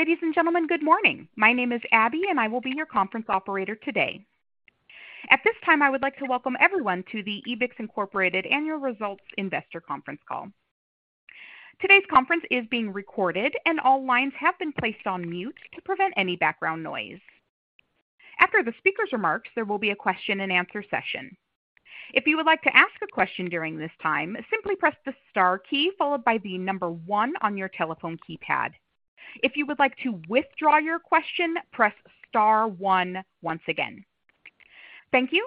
Ladies and gentlemen, good morning. My name is Abby, and I will be your conference operator today. At this time, I would like to welcome everyone to the Ebix Inc. Annual Results Investor Conference Call. Today's conference is being recorded. All lines have been placed on mute to prevent any background noise. After the speaker's remarks, there will be a question-and-answer session. If you would like to ask a question during this time, simply press the star key followed by the number one on your telephone keypad. If you would like to withdraw your question, press star one once again. Thank you.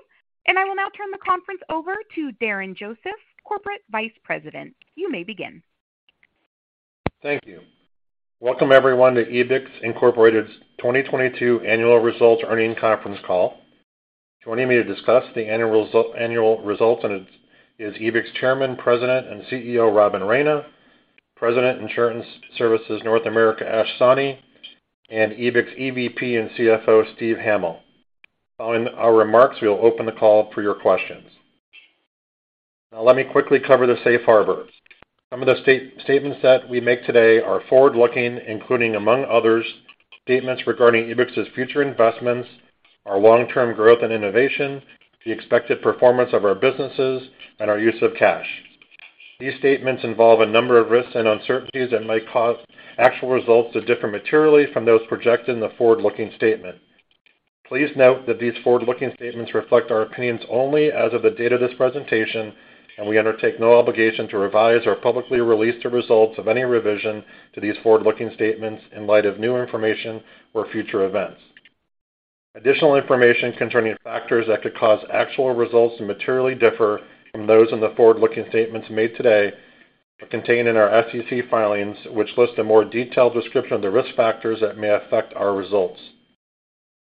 I will now turn the conference over to Darren Joseph, Corporate Vice President. You may begin. Thank you. Welcome, everyone, to Ebix, Inc.'s 2022 annual results earning conference call. Joining me to discuss the annual results is Ebix Chairman, President, and CEO, Robin Raina, President, Insurance Solutions, North America, Ash Sawhney, and Ebix EVP and CFO, Steven Hamil. Following our remarks, we'll open the call for your questions. Now, let me quickly cover the safe harbors. Some of the statements that we make today are forward-looking, including, among others, statements regarding Ebix's future investments, our long-term growth and innovation, the expected performance of our businesses, and our use of cash. These statements involve a number of risks and uncertainties that might cause actual results to differ materially from those projected in the forward-looking statement. Please note that these forward-looking statements reflect our opinions only as of the date of this presentation. We undertake no obligation to revise or publicly release the results of any revision to these forward-looking statements in light of new information or future events. Additional information concerning factors that could cause actual results to materially differ from those in the forward-looking statements made today are contained in our SEC filings, which list a more detailed description of the risk factors that may affect our results.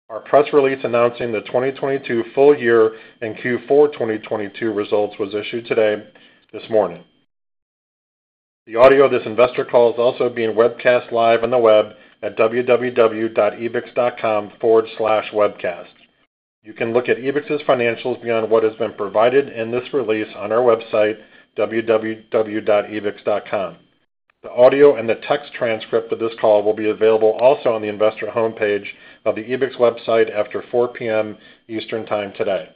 Our press release announcing the 2022 full year and Q4 2022 results was issued today, this morning. The audio of this investor call is also being webcast live on the web at www.ebix.com/webcast. You can look at Ebix's financials beyond what has been provided in this release on our website, www.ebix.com. The audio and the text transcript of this call will be available also on the investor homepage of the Ebix website after 4:00 P.M. Eastern Time today.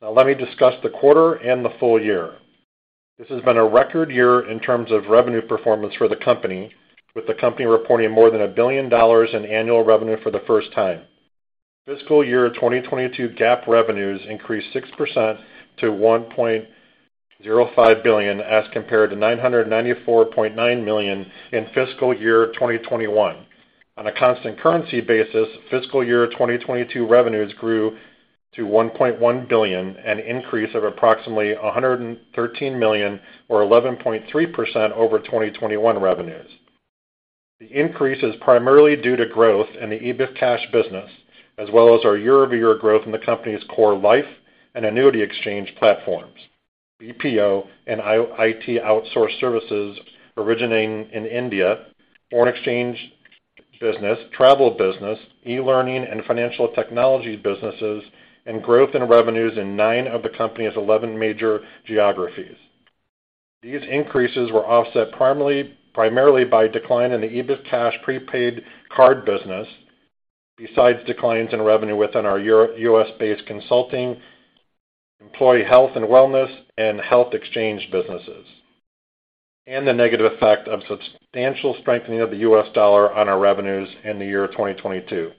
Let me discuss the quarter and the full year. This has been a record year in terms of revenue performance for the company, with the company reporting more than $1 billion in annual revenue for the first time. Fiscal year 2022 GAAP revenues increased 6% to $1.05 billion as compared to $994.9 million in fiscal year 2021. On a constant currency basis, fiscal year 2022 revenues grew to $1.1 billion, an increase of approximately $113 million or 11.3% over 2021 revenues. The increase is primarily due to growth in the EbixCash business, as well as our year-over-year growth in the company's core life and annuity exchange platforms, BPO and IT outsource services originating in India, foreign exchange business, travel business, e-learning and financial technology businesses, and growth in revenues in nine of the company's 11 major geographies. These increases were offset primarily by decline in the EbixCash prepaid card business. Besides declines in revenue within our U.S.-based consulting, employee health and wellness, and health exchange businesses, and the negative effect of substantial strengthening of the U.S. dollar on our revenues in the year 2022.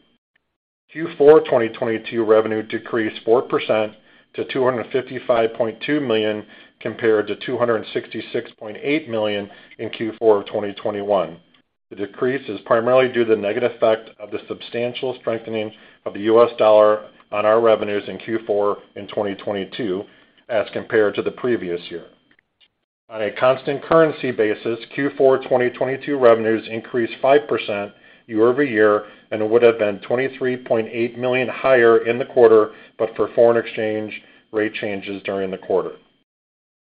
Q4 2022 revenue decreased 4% to $255.2 million compared to $266.8 million in Q4 of 2021. The decrease is primarily due to the negative effect of the substantial strengthening of the U.S. dollar on our revenues in Q4 2022 as compared to the previous year. On a constant currency basis, Q4 2022 revenues increased 5% year-over-year and would have been $23.8 million higher in the quarter, but for foreign exchange rate changes during the quarter.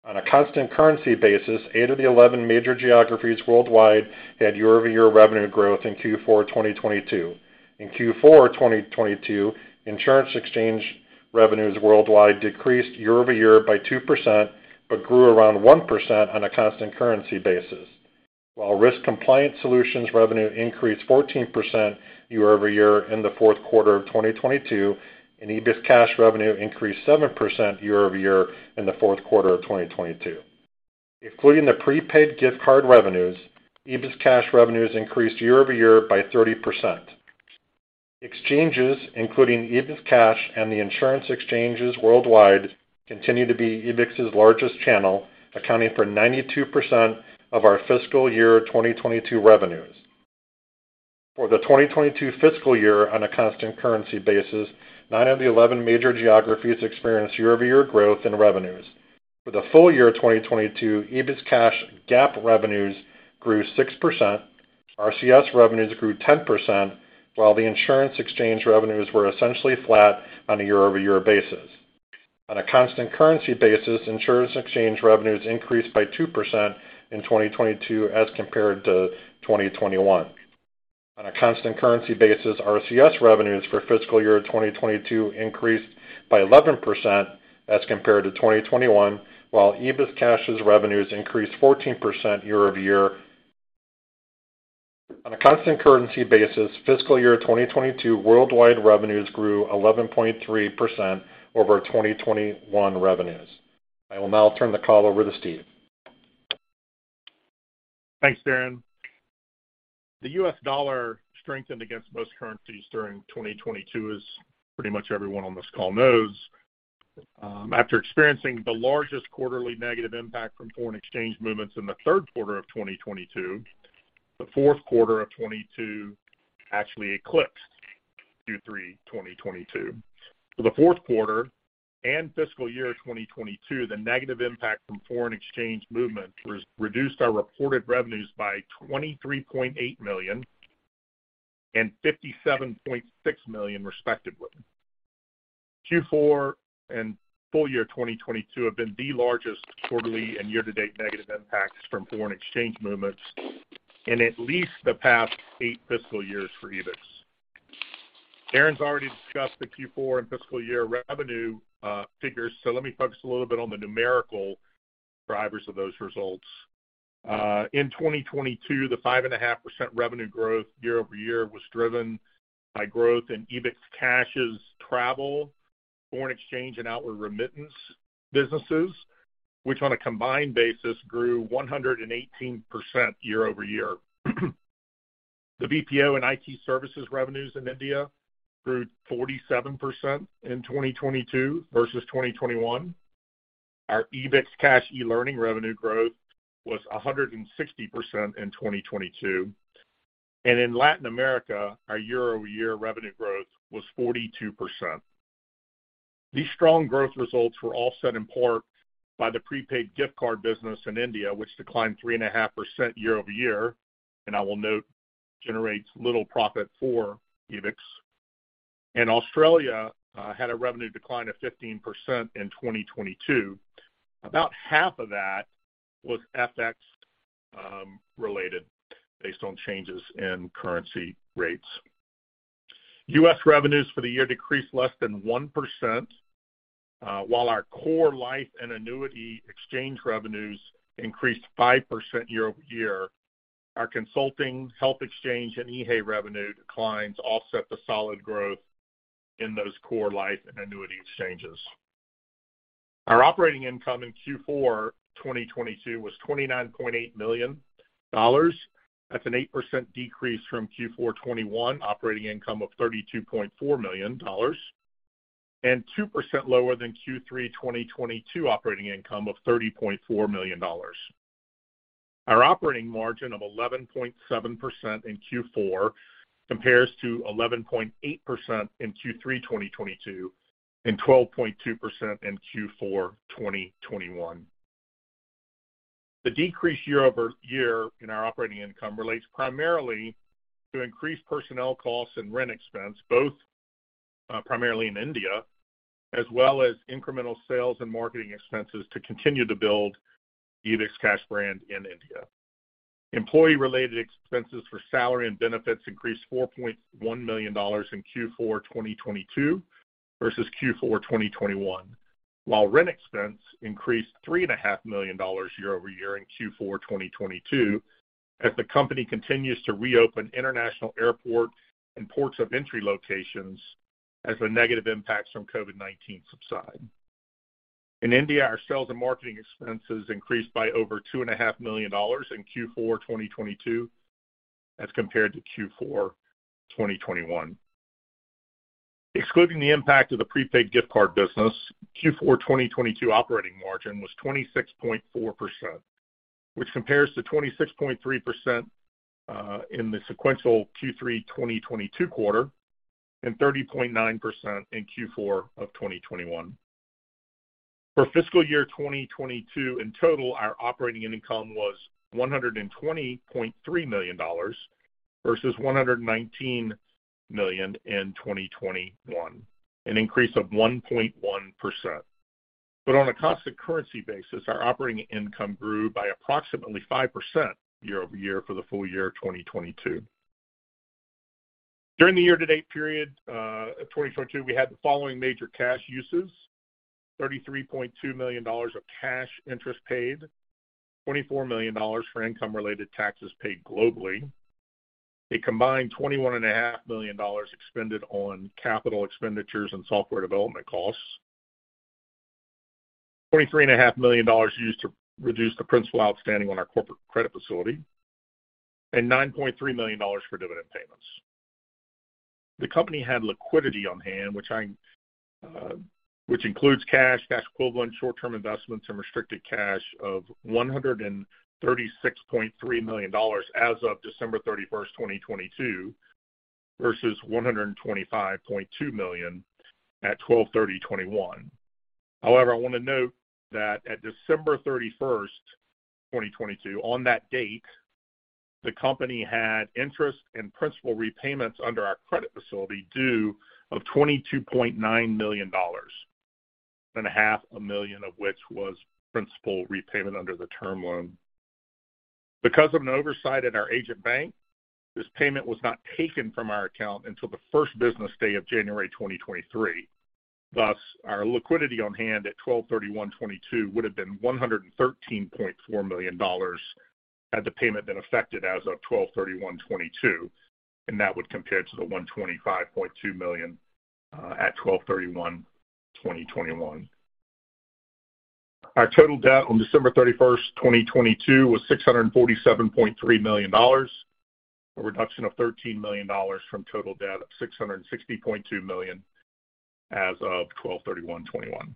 On a constant currency basis, eight of the 11 major geographies worldwide had year-over-year revenue growth in Q4 2022. In Q4 2022, insurance exchange revenues worldwide decreased year-over-year by 2%, but grew around 1% on a constant currency basis. While risk compliance solutions revenue increased 14% year-over-year in the fourth quarter of 2022, and EbixCash revenue increased 7% year-over-year in the fourth quarter of 2022. Including the prepaid gift card revenues, EbixCash revenues increased year-over-year by 30%. Exchanges, including EbixCash and the insurance exchanges worldwide, continue to be Ebix's largest channel, accounting for 92% of our fiscal year 2022 revenues. For the 2022 fiscal year on a constant currency basis, nine of the 11 major geographies experienced year-over-year growth in revenues. For the full year 2022, EbixCash GAAP revenues grew 6%, RCS revenues grew 10%, while the insurance exchange revenues were essentially flat on a year-over-year basis. On a constant currency basis, insurance exchange revenues increased by 2% in 2022 as compared to 2021. On a constant currency basis, RCS revenues for fiscal year 2022 increased by 11% as compared to 2021, while EbixCash's revenues increased 14% year-over-year. On a constant currency basis, fiscal year 2022 worldwide revenues grew 11.3% over 2021 revenues. I will now turn the call over to Steve. Thanks, Darren. The U.S. dollar strengthened against most currencies during 2022 as pretty much everyone on this call knows. After experiencing the largest quarterly negative impact from foreign exchange movements in the third quarter of 2022, the fourth quarter of 2022 actually eclipsed Q3 2022. For the fourth quarter and fiscal year 2022, the negative impact from foreign exchange movement reduced our reported revenues by $23.8 million and $57.6 million respectively. Q4 and full year 2022 have been the largest quarterly and year-to-date negative impacts from foreign exchange movements in at least the past eight fiscal years for Ebix. Darren's already discussed the Q4 and fiscal year revenue figures, let me focus a little bit on the numerical drivers of those results. In 2022, the 5.5% revenue growth year-over-year was driven by growth in EbixCash's travel, foreign exchange, and outward remittance businesses, which on a combined basis grew 118% year-over-year. The BPO and IT services revenues in India grew 47% in 2022 versus 2021. Our EbixCash e-learning revenue growth was 160% in 2022. In Latin America, our year-over-year revenue growth was 42%. These strong growth results were offset in part by the prepaid gift card business in India, which declined 3.5% year-over-year, and I will note, generates little profit for Ebix. Australia had a revenue decline of 15% in 2022. About half of that was FX related based on changes in currency rates. U.S. revenues for the year decreased less than 1%, while our core life and annuity exchange revenues increased 5% year-over-year. Our consulting, health exchange, and EHAE revenue declines offset the solid growth in those core life and annuity exchanges. Our operating income in Q4 2022 was $29.8 million. That's an 8% decrease from Q4 2021 operating income of $32.4 million, and 2% lower than Q3 2022 operating income of $30.4 million. Our operating margin of 11.7% in Q4 compares to 11.8% in Q3 2022 and 12.2% in Q4 2021. The decrease year-over-year in our operating income relates primarily to increased personnel costs and rent expense, both primarily in India, as well as incremental sales and marketing expenses to continue to build the EbixCash brand in India. Employee-related expenses for salary and benefits increased $4.1 million in Q4 2022 versus Q4 2021. While rent expense increased $3.5 Million year-over-year in Q4 2022 as the company continues to reopen international airport and ports of entry locations as the negative impacts from COVID-19 subside. In India, our sales and marketing expenses increased by over $2.5 million in Q4 2022 as compared to Q4 2021. Excluding the impact of the prepaid gift card business, Q4 2022 operating margin was 26.4%, which compares to 26.3% in the sequential Q3 2022 quarter and 30.9% in Q4 2021. For fiscal year 2022 in total, our operating income was $120.3 million versus $119 million in 2021, an increase of 1.1%. On a constant currency basis, our operating income grew by approximately 5% year-over-year for the full year of 2022. During the year-to-date period of 2022, we had the following major cash uses: $33.2 million of cash interest paid, $24 million for income related taxes paid globally, a combined $21.5 million expended on capital expenditures and software development costs. $23.5 million used to reduce the principal outstanding on our corporate credit facility, $9.3 million for dividend payments. The company had liquidity on hand, which includes cash equivalent, short-term investments, and restricted cash of $136.3 million as of December 31, 2022, versus $125.2 million at 12/30/2021. I want to note that at December 31st, 2022, on that date, the company had interest and principal repayments under our credit facility due of $22.9 million, and $500,000 of which was principal repayment under the term loan. Because of an oversight at our agent bank, this payment was not taken from our account until the 1st business day of January 2023. Thus, our liquidity on hand at 12/31/2022 would have been $113.4 million had the payment been affected as of 12/31/2022, and that would compare to the $125.2 million at 12/31/2021. Our total debt on December 31st, 2022 was $647.3 million, a reduction of $13 million from total debt of $660.2 million as of 12/31/2021.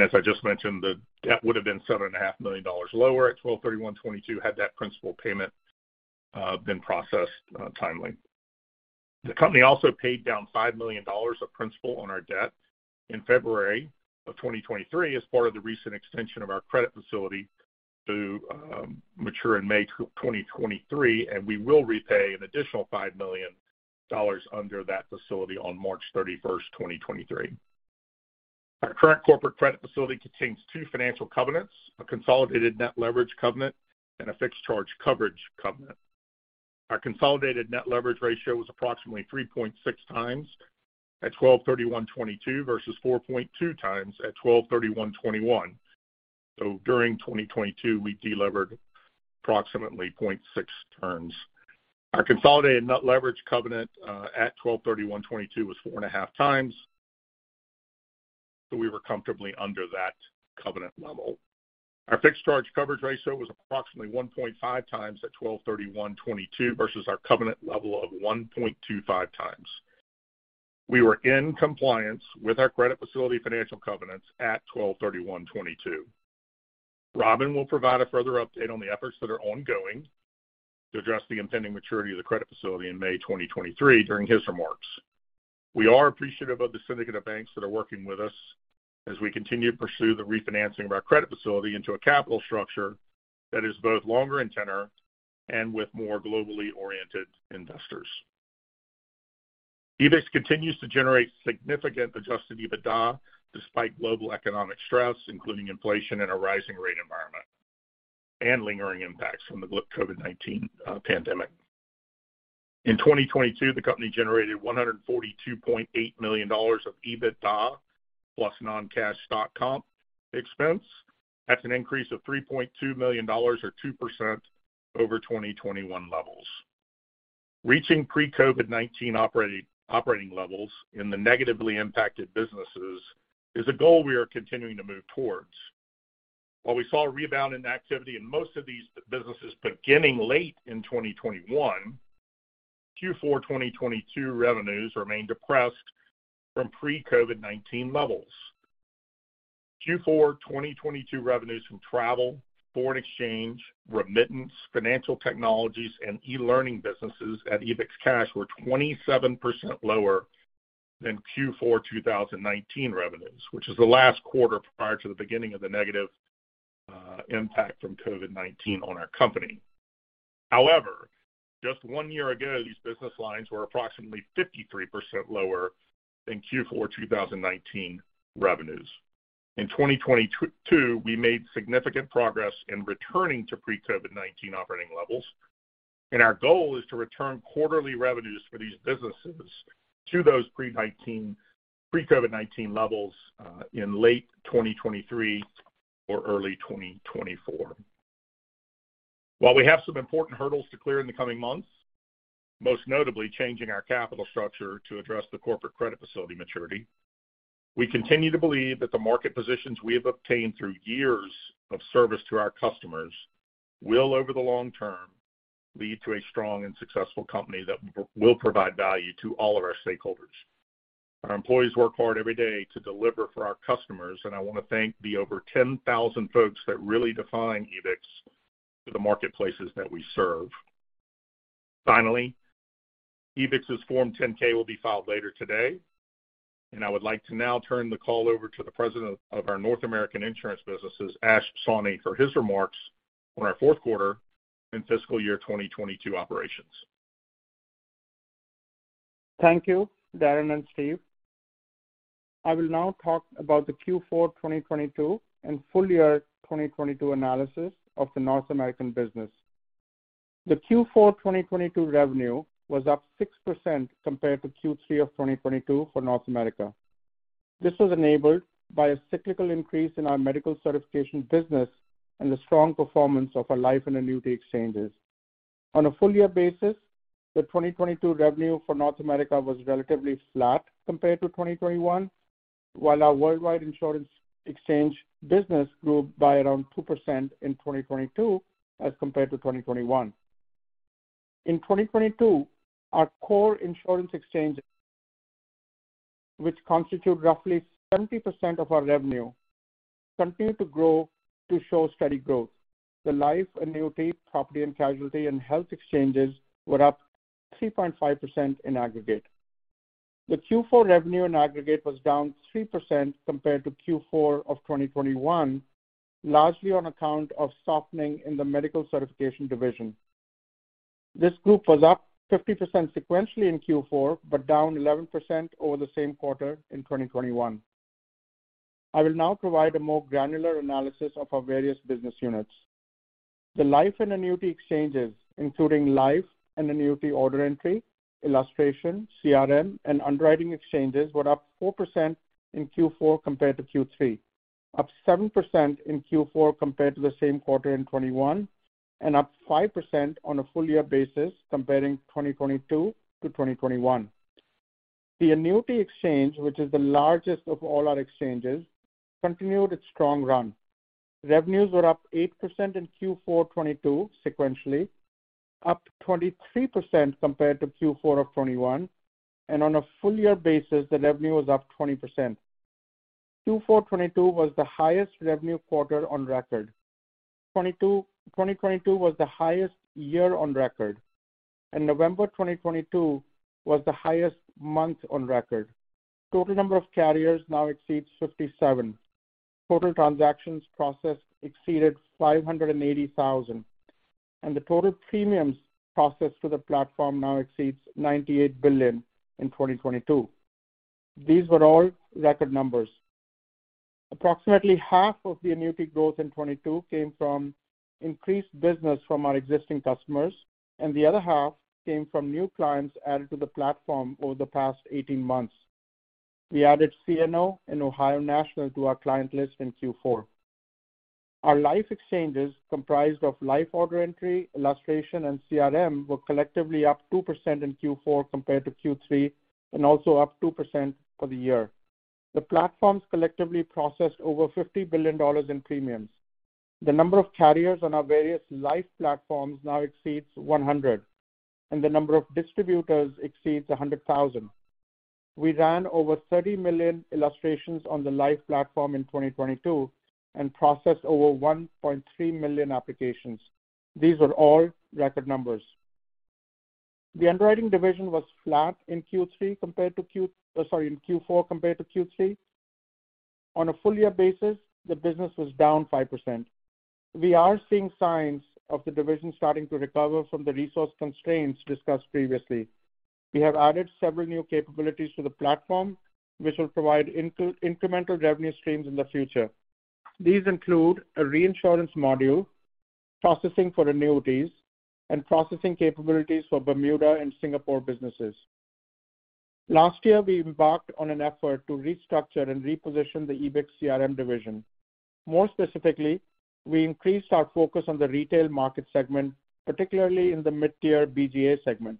As I just mentioned, the debt would have been $7.5 million lower at 12/31/2022 had that principal payment been processed timely. The company also paid down $5 million of principal on our debt in February of 2023 as part of the recent extension of our credit facility to mature in May 2023, and we will repay an additional $5 million under that facility on March 31st, 2023. Our current corporate credit facility contains two financial covenants, a consolidated net leverage covenant and a fixed charge coverage covenant. Our consolidated net leverage ratio was approximately 3.6x at 12/31/2022 versus 4.2x at 12/31/2021. During 2022, we delevered approximately 0.6 turns. Our consolidated net leverage covenant at 12/31/2022 was 4.5x. We were comfortably under that covenant level. Our fixed charge coverage ratio was approximately 1.5x at 12/31/2022 versus our covenant level of 1.25x. We were in compliance with our credit facility financial covenants at 12/31/2022. Robin will provide a further update on the efforts that are ongoing to address the impending maturity of the credit facility in May 2023 during his remarks. We are appreciative of the syndicate of banks that are working with us as we continue to pursue the refinancing of our credit facility into a capital structure that is both longer in tenor and with more globally oriented investors. Ebix continues to generate significant adjusted EBITDA despite global economic stress, including inflation in a rising rate environment and lingering impacts from COVID-19 pandemic. In 2022, the company generated $142.8 million of EBITDA plus non-cash stock comp expense. That's an increase of $3.2 million or 2% over 2021 levels. Reaching pre-COVID-19 operating levels in the negatively impacted businesses is a goal we are continuing to move towards. While we saw a rebound in activity in most of these businesses beginning late in 2021, Q4 2022 revenues remain depressed from pre-COVID-19 levels. Q4 2022 revenues from travel, foreign exchange, remittance, financial technologies, and e-learning businesses at EbixCash were 27% lower than Q4 2019 revenues, which is the last quarter prior to the beginning of the negative impact from COVID-19 on our company. However, just one year ago, these business lines were approximately 53% lower than Q4 2019 revenues. In 2022, we made significant progress in returning to pre-COVID-19 operating levels, and our goal is to return quarterly revenues for these businesses to those pre-COVID-19 levels in late 2023 or early 2024. While we have some important hurdles to clear in the coming months, most notably changing our capital structure to address the corporate credit facility maturity, we continue to believe that the market positions we have obtained through years of service to our customers will, over the long term, lead to a strong and successful company that will provide value to all of our stakeholders. Our employees work hard every day to deliver for our customers, and I wanna thank the over 10,000 folks that really define Ebix to the marketplaces that we serve. Finally, Ebix's Form 10-K will be filed later today, and I would like to now turn the call over to the president of our North American insurance businesses, Ash Sawhney, for his remarks on our fourth quarter and fiscal year 2022 operations. Thank you, Darren and Steve. I will now talk about the Q4 2022 and full year 2022 analysis of the North American business. The Q4 2022 revenue was up 6% compared to Q3 of 2022 for North America. This was enabled by a cyclical increase in our medical certification business and the strong performance of our life and annuity exchanges. On a full year basis, the 2022 revenue for North America was relatively flat compared to 2021. Our worldwide insurance exchange business grew by around 2% in 2022 as compared to 2021. In 2022, our core insurance exchange, which constitute roughly 70% of our revenue, continued to grow to show steady growth. The life, annuity, property and casualty, and health exchanges were up 3.5% in aggregate. The Q4 revenue in aggregate was down 3% compared to Q4 of 2021, largely on account of softening in the medical certification division. This group was up 50% sequentially in Q4, but down 11% over the same quarter in 2021. I will now provide a more granular analysis of our various business units. The life and annuity exchanges, including life and annuity order entry, illustration, CRM, and underwriting exchanges were up 4% in Q4 compared to Q3, up 7% in Q4 compared to the same quarter in 2021, and up 5% on a full year basis comparing 2022 to 2021. The annuity exchange, which is the largest of all our exchanges, continued its strong run. Revenues were up 8% in Q4 2022 sequentially, up 23% compared to Q4 2021, and on a full year basis, the revenue was up 20%. Q4 2022 was the highest revenue quarter on record. 2022 was the highest year on record, and November 2022 was the highest month on record. Total number of carriers now exceeds 57. Total transactions processed exceeded 580,000, and the total premiums processed through the platform now exceeds $98 billion in 2022. These were all record numbers. Approximately half of the annuity growth in 2022 came from increased business from our existing customers, and the other half came from new clients added to the platform over the past 18 months. We added CNO and Ohio National to our client list in Q4. Our life exchanges, comprised of life order entry, illustration, and CRM, were collectively up 2% in Q4 compared to Q3, and also up 2% for the year. The platforms collectively processed over $50 billion in premiums. The number of carriers on our various life platforms now exceeds 100, and the number of distributors exceeds 100,000. We ran over 30 million illustrations on the life platform in 2022 and processed over 1.3 million applications. These were all record numbers. The underwriting division was flat in Q3 compared to Q4 compared to Q3. On a full year basis, the business was down 5%. We are seeing signs of the division starting to recover from the resource constraints discussed previously. We have added several new capabilities to the platform, which will provide incremental revenue streams in the future. These include a reinsurance module, processing for annuities, and processing capabilities for Bermuda and Singapore businesses. Last year, we embarked on an effort to restructure and reposition the Ebix CRM division. More specifically, we increased our focus on the retail market segment, particularly in the mid-tier BGA segment.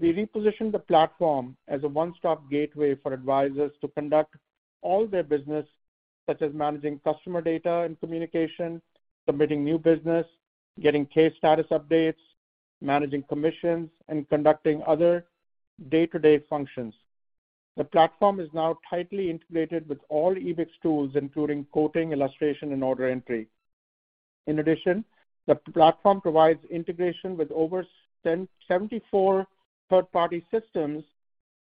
We repositioned the platform as a one-stop gateway for advisors to conduct all their business, such as managing customer data and communication, submitting new business, getting case status updates, managing commissions, and conducting other day-to-day functions. The platform is now tightly integrated with all Ebix tools, including quoting, illustration, and order entry. In addition, the platform provides integration with over 74 third-party systems,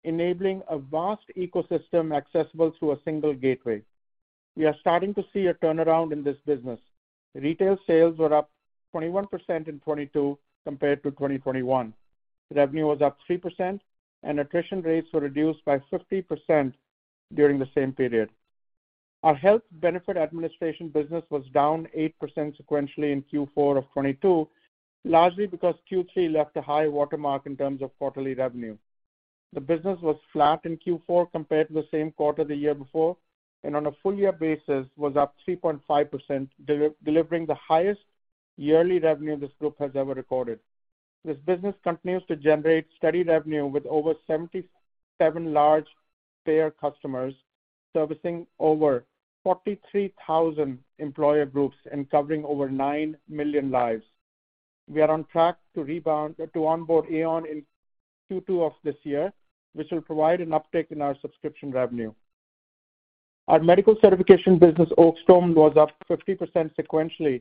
enabling a vast ecosystem accessible through a single gateway. We are starting to see a turnaround in this business. Retail sales were up 21% in 2022 compared to 2021. Revenue was up 3% and attrition rates were reduced by 50% during the same period. Our health benefit administration business was down 8% sequentially in Q4 of 2022, largely because Q3 left a high watermark in terms of quarterly revenue. The business was flat in Q4 compared to the same quarter the year before, and on a full year basis was up 3.5%, delivering the highest yearly revenue this group has ever recorded. This business continues to generate steady revenue with over 77 large payer customers, servicing over 43,000 employer groups and covering over nine million lives. We are on track to onboard Aon in Q2 of this year, which will provide an uptick in our subscription revenue. Our medical certification business, Oakstone, was up 50% sequentially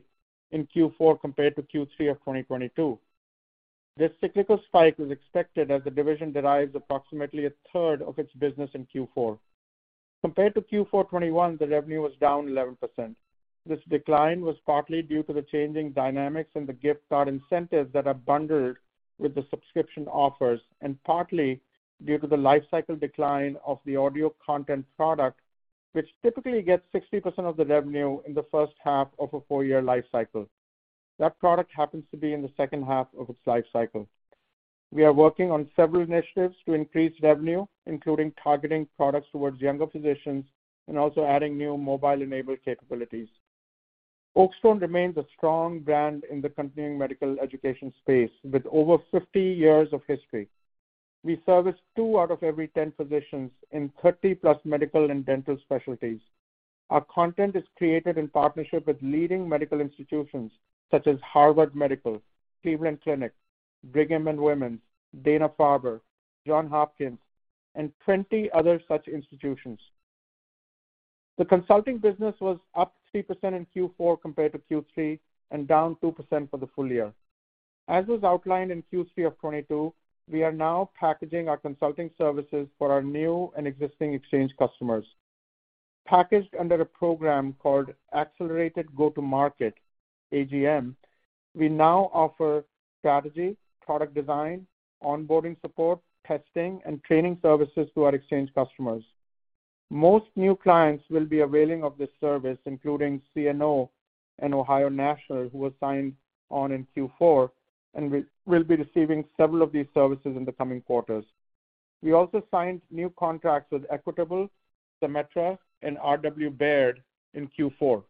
in Q4 compared to Q3 of 2022. This cyclical spike was expected as the division derives approximately a third of its business in Q4. Compared to Q4 21, the revenue was down 11%. This decline was partly due to the changing dynamics in the gift card incentives that are bundled with the subscription offers, and partly due to the life cycle decline of the audio content product, which typically gets 60% of the revenue in the first half of a four-year life cycle. That product happens to be in the second half of its life cycle. We are working on several initiatives to increase revenue, including targeting products towards younger physicians and also adding new mobile-enabled capabilities. Oakstone remains a strong brand in the continuing medical education space with over 50 years of history. We service two out of every 10 physicians in 30-plus medical and dental specialties. Our content is created in partnership with leading medical institutions such as Harvard Medical, Cleveland Clinic, Brigham and Women's, Dana-Farber, Johns Hopkins, and 20 other such institutions. The consulting business was up 3% in Q4 compared to Q3, and down 2% for the full year. As was outlined in Q3 of 2022, we are now packaging our consulting services for our new and existing exchange customers. Packaged under a program called Accelerated go-to-market, AGM, we now offer strategy, product design, onboarding support, testing, and training services to our exchange customers. Most new clients will be availing of this service, including CNO and Ohio National, who were signed on in Q4, and will be receiving several of these services in the coming quarters. We also signed new contracts with Equitable, Symetra, and RW Baird in Q4.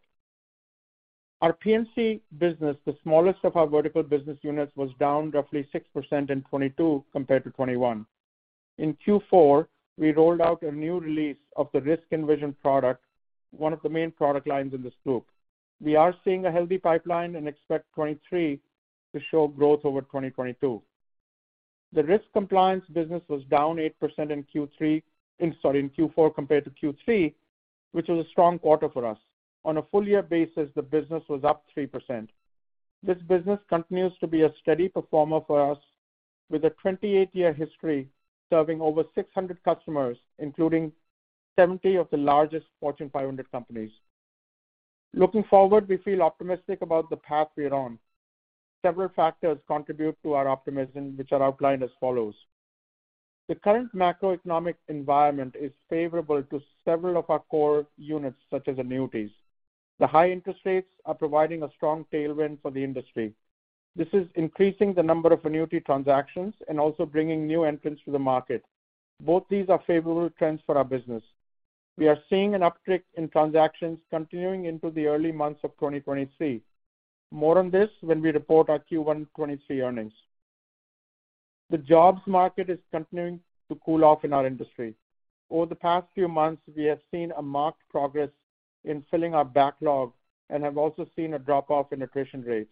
Our P&C business, the smallest of our vertical business units, was down roughly 6% in 2022 compared to 2021. In Q4, we rolled out a new release of the RiskEnvision product, one of the main product lines in this group. We are seeing a healthy pipeline and expect 2023 to show growth over 2022. The risk compliance business was down 8% in Q4 compared to Q3, which was a strong quarter for us. On a full year basis, the business was up 3%. This business continues to be a steady performer for us with a 28-year history, serving over 600 customers, including 70 of the largest Fortune 500 companies. Looking forward, we feel optimistic about the path we are on. Several factors contribute to our optimism, which are outlined as follows. The current macroeconomic environment is favorable to several of our core units, such as annuities. The high interest rates are providing a strong tailwind for the industry. This is increasing the number of annuity transactions and also bringing new entrants to the market. Both these are favorable trends for our business. We are seeing an uptick in transactions continuing into the early months of 2023. More on this when we report our Q1 2023 earnings. The jobs market is continuing to cool off in our industry. Over the past few months, we have seen a marked progress in filling our backlog and have also seen a drop off in attrition rates.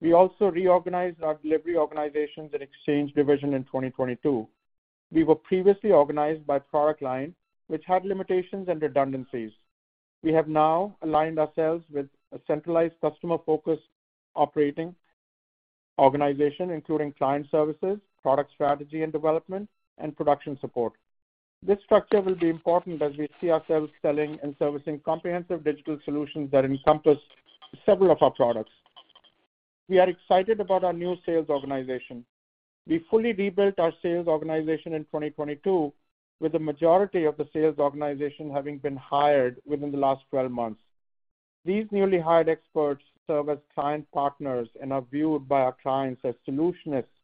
We also reorganized our delivery organizations and exchange division in 2022. We were previously organized by product line, which had limitations and redundancies. We have now aligned ourselves with a centralized customer-focused operating organization, including client services, product strategy and development, and production support. This structure will be important as we see ourselves selling and servicing comprehensive digital solutions that encompass several of our products. We are excited about our new sales organization. We fully rebuilt our sales organization in 2022, with the majority of the sales organization having been hired within the last 12 months. These newly hired experts serve as client partners and are viewed by our clients as solutionists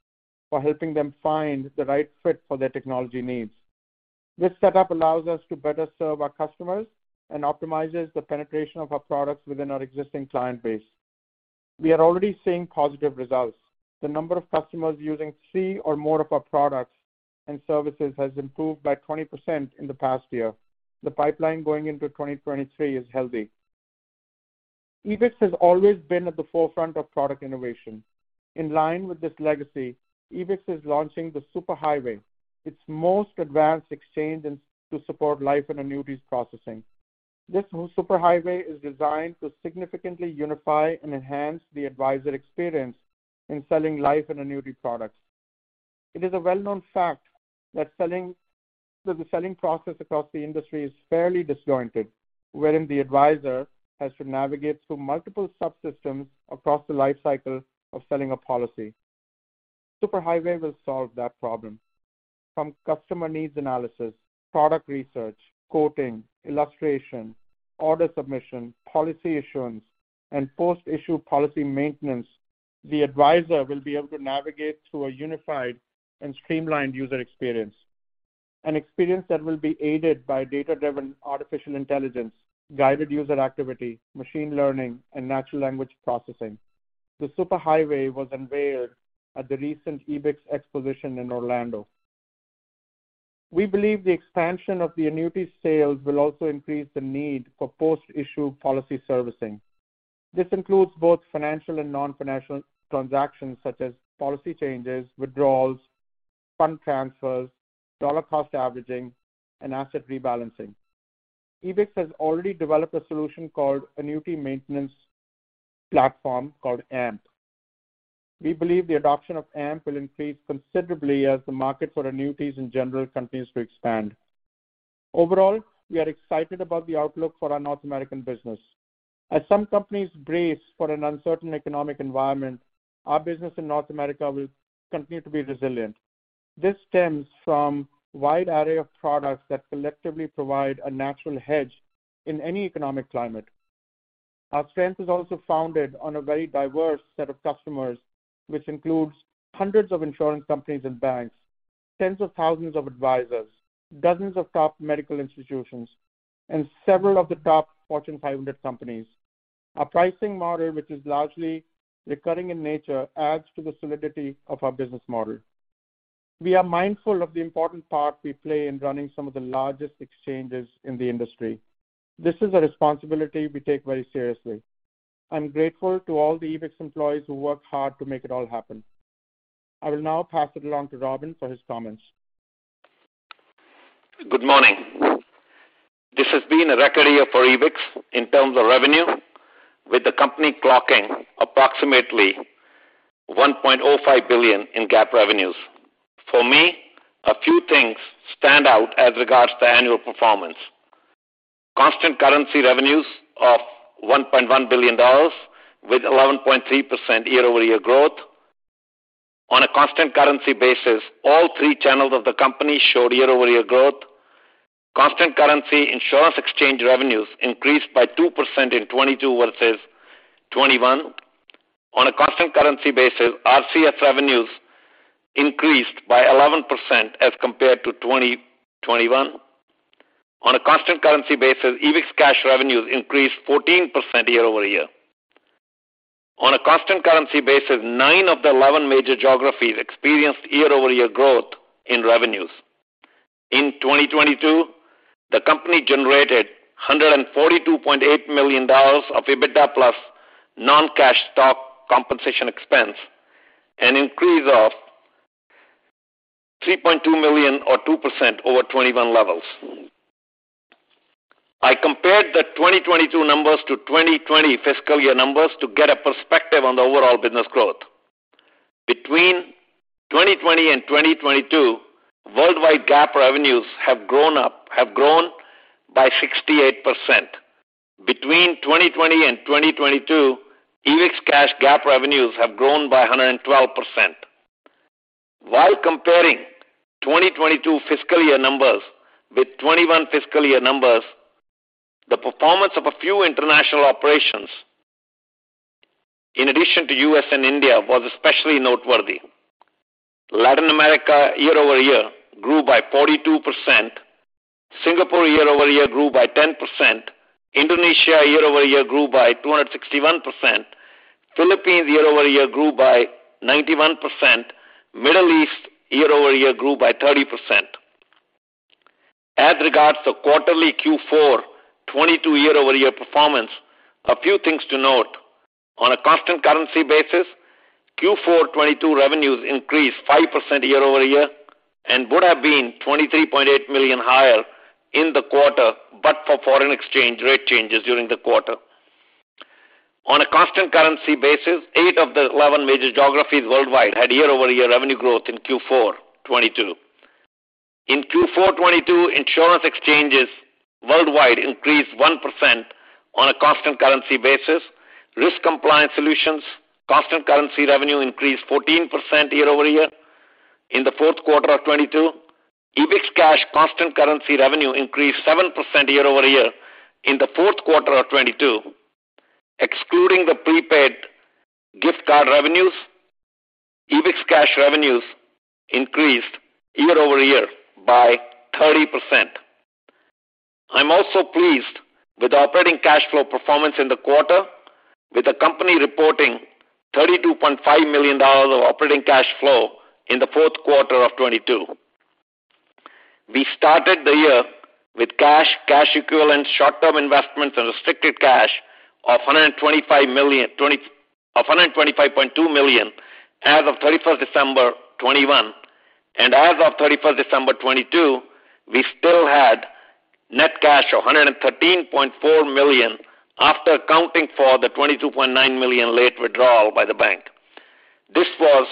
for helping them find the right fit for their technology needs. This setup allows us to better serve our customers and optimizes the penetration of our products within our existing client base. We are already seeing positive results. The number of customers using three or more of our products and services has improved by 20% in the past year. The pipeline going into 2023 is healthy. Ebix has always been at the forefront of product innovation. In line with this legacy, Ebix is launching the Superhighway, its most advanced exchange to support life and annuities processing. This new Superhighway is designed to significantly unify and enhance the advisor experience in selling life and annuity products. It is a well-known fact that the selling process across the industry is fairly disjointed, wherein the advisor has to navigate through multiple subsystems across the life cycle of selling a policy. Super Highway will solve that problem. From customer needs analysis, product research, quoting, illustration, order submission, policy issuance, and post-issue policy maintenance, the advisor will be able to navigate through a unified and streamlined user experience, an experience that will be aided by data-driven artificial intelligence, guided user activity, machine learning, and natural language processing. The Super Highway was unveiled at the recent Ebix Exposition in Orlando. We believe the expansion of the annuity sales will also increase the need for post-issue policy servicing. This includes both financial and non-financial transactions such as policy changes, withdrawals, fund transfers, dollar-cost averaging, and asset rebalancing. Ebix has already developed a solution called Annuity Maintenance Platform, called AMP. We believe the adoption of AMP will increase considerably as the market for annuities in general continues to expand. Overall, we are excited about the outlook for our North American business. As some companies brace for an uncertain economic environment, our business in North America will continue to be resilient. This stems from wide array of products that collectively provide a natural hedge in any economic climate. Our strength is also founded on a very diverse set of customers, which includes hundreds of insurance companies and banks, tens of thousands of advisors, dozens of top medical institutions, and several of the top Fortune 500 companies. Our pricing model, which is largely recurring in nature, adds to the solidity of our business model. We are mindful of the important part we play in running some of the largest exchanges in the industry. This is a responsibility we take very seriously. I'm grateful to all the Ebix employees who work hard to make it all happen. I will now pass it along to Robin for his comments. Good morning. This has been a record year for Ebix in terms of revenue, with the company clocking approximately $1.05 billion in GAAP revenues. For me, a few things stand out as regards to annual performance. Constant currency revenues of $1.1 billion with 11.3% year-over-year growth. On a constant currency basis, all three channels of the company showed year-over-year growth. Constant currency insurance exchange revenues increased by 2% in 2022 versus 2021. On a constant currency basis, RCS revenues increased by 11% as compared to 2021. On a constant currency basis, EbixCash revenues increased 14% year-over-year. On a constant currency basis, nine of the 11 major geographies experienced year-over-year growth in revenues. In 2022, the company generated $142.8 million of EBITDA plus non-cash stock compensation expense, an increase of $3.2 million or 2% over 2021 levels. I compared the 2022 numbers to 2020 fiscal year numbers to get a perspective on the overall business growth. Between 2020 and 2022, worldwide GAAP revenues have grown by 68%. Between 2020 and 2022, EbixCash GAAP revenues have grown by 112%. While comparing 2022 fiscal year numbers with 2021 fiscal year numbers, the performance of a few international operations in addition to U.S. and India was especially noteworthy. Latin America year-over-year grew by 42%. Singapore year-over-year grew by 10%. Indonesia year-over-year grew by 261%. Philippines year-over-year grew by 91%. Middle East year-over-year grew by 30%. As regards to quarterly Q4 2022 year-over-year performance, a few things to note. On a constant currency basis, Q4 2022 revenues increased 5% year-over-year and would have been $23.8 million higher in the quarter, but for foreign exchange rate changes during the quarter. On a constant currency basis, eight of the 11 major geographies worldwide had year-over-year revenue growth in Q4 2022. In Q4 2022, insurance exchanges worldwide increased 1% on a constant currency basis. Risk compliance solutions constant currency revenue increased 14% year-over-year in the fourth quarter of 2022. EbixCash constant currency revenue increased 7% year-over-year in the fourth quarter of 2022. Excluding the prepaid gift card revenues, EbixCash revenues increased year-over-year by 30%. I'm also pleased with the operating cash flow performance in the quarter, with the company reporting $32.5 million of operating cash flow in the fourth quarter of 2022. We started the year with cash equivalents, short-term investments, and restricted cash of $125.2 million as of 31st December 2021. As of 31st December 2022, we still had net cash of $113.4 million after accounting for the $22.9 million late withdrawal by the bank. This was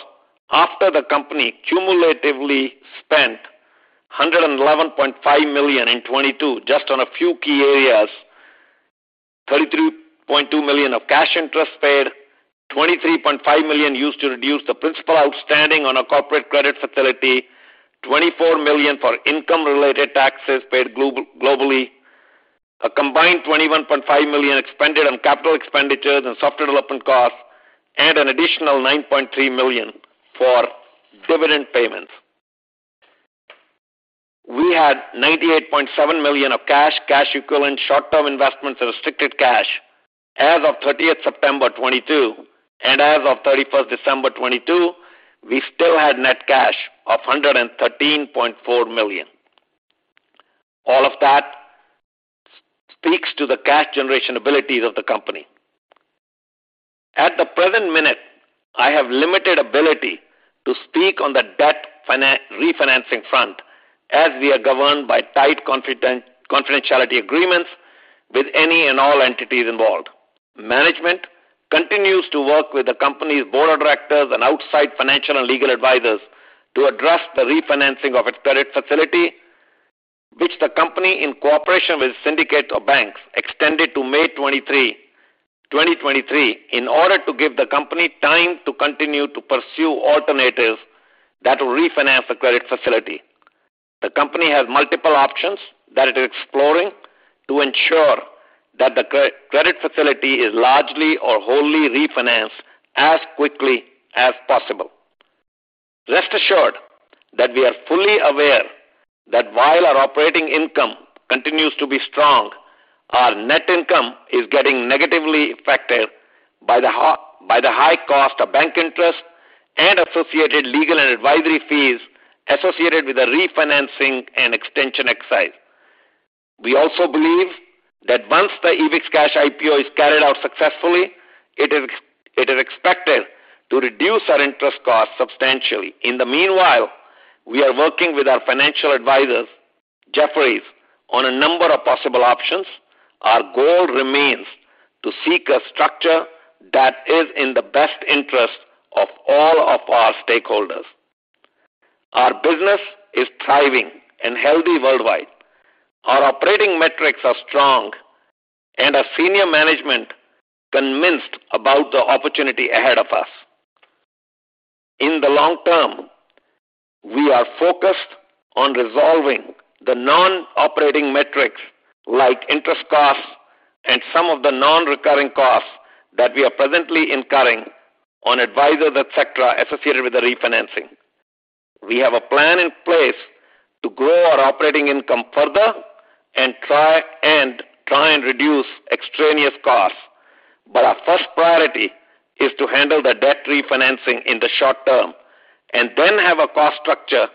after the company cumulatively spent $111.5 million in 2022 just on a few key areas. $33.2 million of cash interest paid. $23.5 million used to reduce the principal outstanding on a corporate credit facility. $24 million for income-related taxes paid globally. A combined $21.5 million expended on capital expenditures and software development costs. An additional $9.3 million for dividend payments. We had $98.7 million of cash equivalents, short-term investments, and restricted cash as of 30th September 2022. As of 31st December 2022, we still had net cash of $113.4 million. All of that speaks to the cash generation abilities of the company. At the present minute, I have limited ability to speak on the debt refinancing front as we are governed by tight confidentiality agreements with any and all entities involved. Management continues to work with the company's board of directors and outside financial and legal advisors to address the refinancing of its credit facility, which the company, in cooperation with syndicate of banks, extended to May 23, 2023, in order to give the company time to continue to pursue alternatives that will refinance the credit facility. The company has multiple options that it is exploring to ensure that the credit facility is largely or wholly refinanced as quickly as possible. Rest assured that we are fully aware that while our operating income continues to be strong, our net income is getting negatively affected by the high cost of bank interest and associated legal and advisory fees associated with the refinancing and extension exercise. We also believe that once the EbixCash IPO is carried out successfully, it is expected to reduce our interest costs substantially. In the meanwhile, we are working with our financial advisors, Jefferies, on a number of possible options. Our goal remains to seek a structure that is in the best interest of all of our stakeholders. Our business is thriving and healthy worldwide. Our operating metrics are strong and our senior management convinced about the opportunity ahead of us. In the long term, we are focused on resolving the non-operating metrics like interest costs and some of the non-recurring costs that we are presently incurring on advisors, et cetera, associated with the refinancing. We have a plan in place to grow our operating income further and try and reduce extraneous costs. Our first priority is to handle the debt refinancing in the short term and then have a cost structure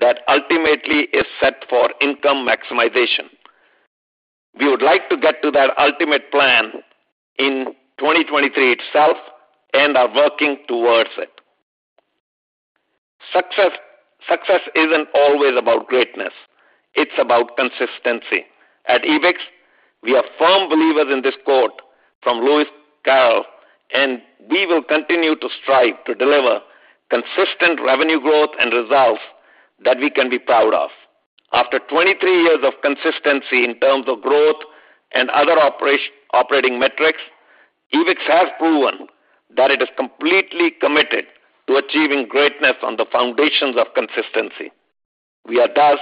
that ultimately is set for income maximization. We would like to get to that ultimate plan in 2023 itself. Are working towards it. Success isn't always about greatness, it's about consistency. At Ebix, we are firm believers in this quote from Lewis Carroll. We will continue to strive to deliver consistent revenue growth and results that we can be proud of. After 23 years of consistency in terms of growth and other operating metrics, Ebix has proven that it is completely committed to achieving greatness on the foundations of consistency. We are thus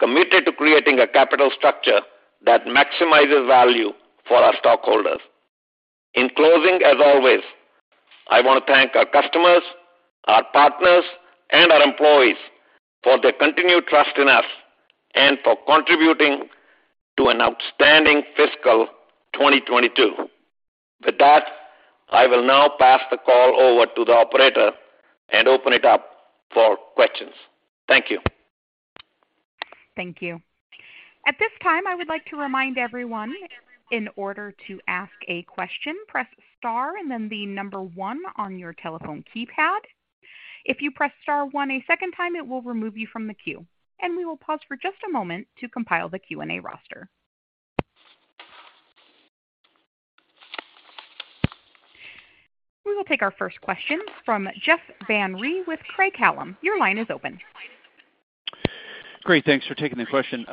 committed to creating a capital structure that maximizes value for our stockholders. In closing, as always, I want to thank our customers, our partners, and our employees for their continued trust in us and for contributing to an outstanding fiscal 2022. With that, I will now pass the call over to the operator and open it up for questions. Thank you. Thank you. At this time, I would like to remind everyone, in order to ask a question, press star and then the number one on your telephone keypad. If you press star one a second time, it will remove you from the queue. We will pause for just a moment to compile the Q&A roster. We will take our first question from Jeff Van Rhee with Craig-Hallum. Your line is open. Great, thanks for taking the question.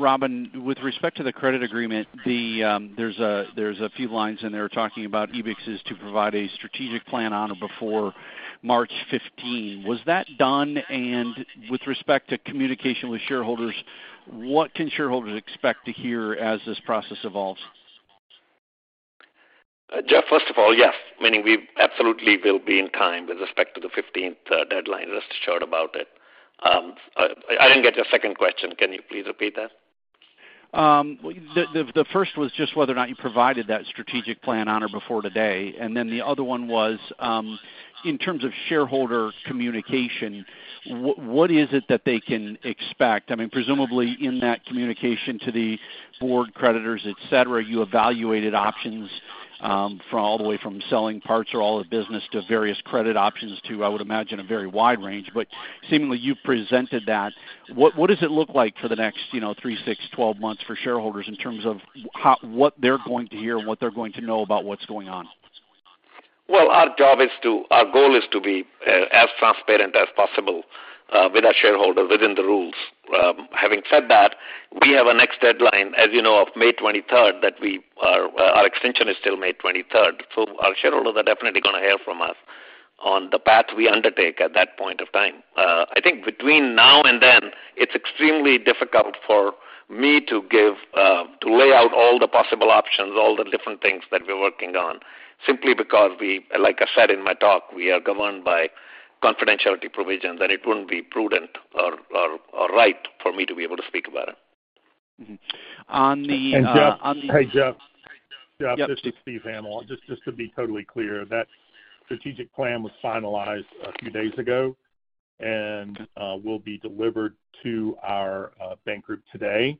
Robin, with respect to the credit agreement, there's a few lines in there talking about Ebix is to provide a strategic plan on or before March 15. Was that done? With respect to communication with shareholders, what can shareholders expect to hear as this process evolves? Jeff, first of all, yes, meaning we absolutely will be in time with respect to the 15th deadline. Rest assured about it. I didn't get your second question. Can you please repeat that? The first was just whether or not you provided that strategic plan on or before today, and then the other one was, in terms of shareholder communication, what is it that they can expect? I mean, presumably in that communication to the board creditors, et cetera, you evaluated options, from all the way from selling parts or all the business to various credit options to, I would imagine, a very wide range. Seemingly you presented that. What does it look like for the next, you know, three, six, 12 months for shareholders in terms of how... What they're going to hear and what they're going to know about what's going on? Well, our goal is to be as transparent as possible with our shareholders within the rules. Having said that, we have a next deadline, as you know, of May 23rd, that we are, our extension is still May 23rd. Our shareholders are definitely gonna hear from us on the path we undertake at that point of time. I think between now and then, it's extremely difficult for me to give, to lay out all the possible options, all the different things that we're working on, simply because we, like I said in my talk, we are governed by confidentiality provisions, and it wouldn't be prudent or right for me to be able to speak about it. Mm-hmm. On the. Hey, Jeff. Yep. Jeff, this is Steven Hamil. Just to be totally clear, that strategic plan was finalized a few days ago and will be delivered to our bank group today.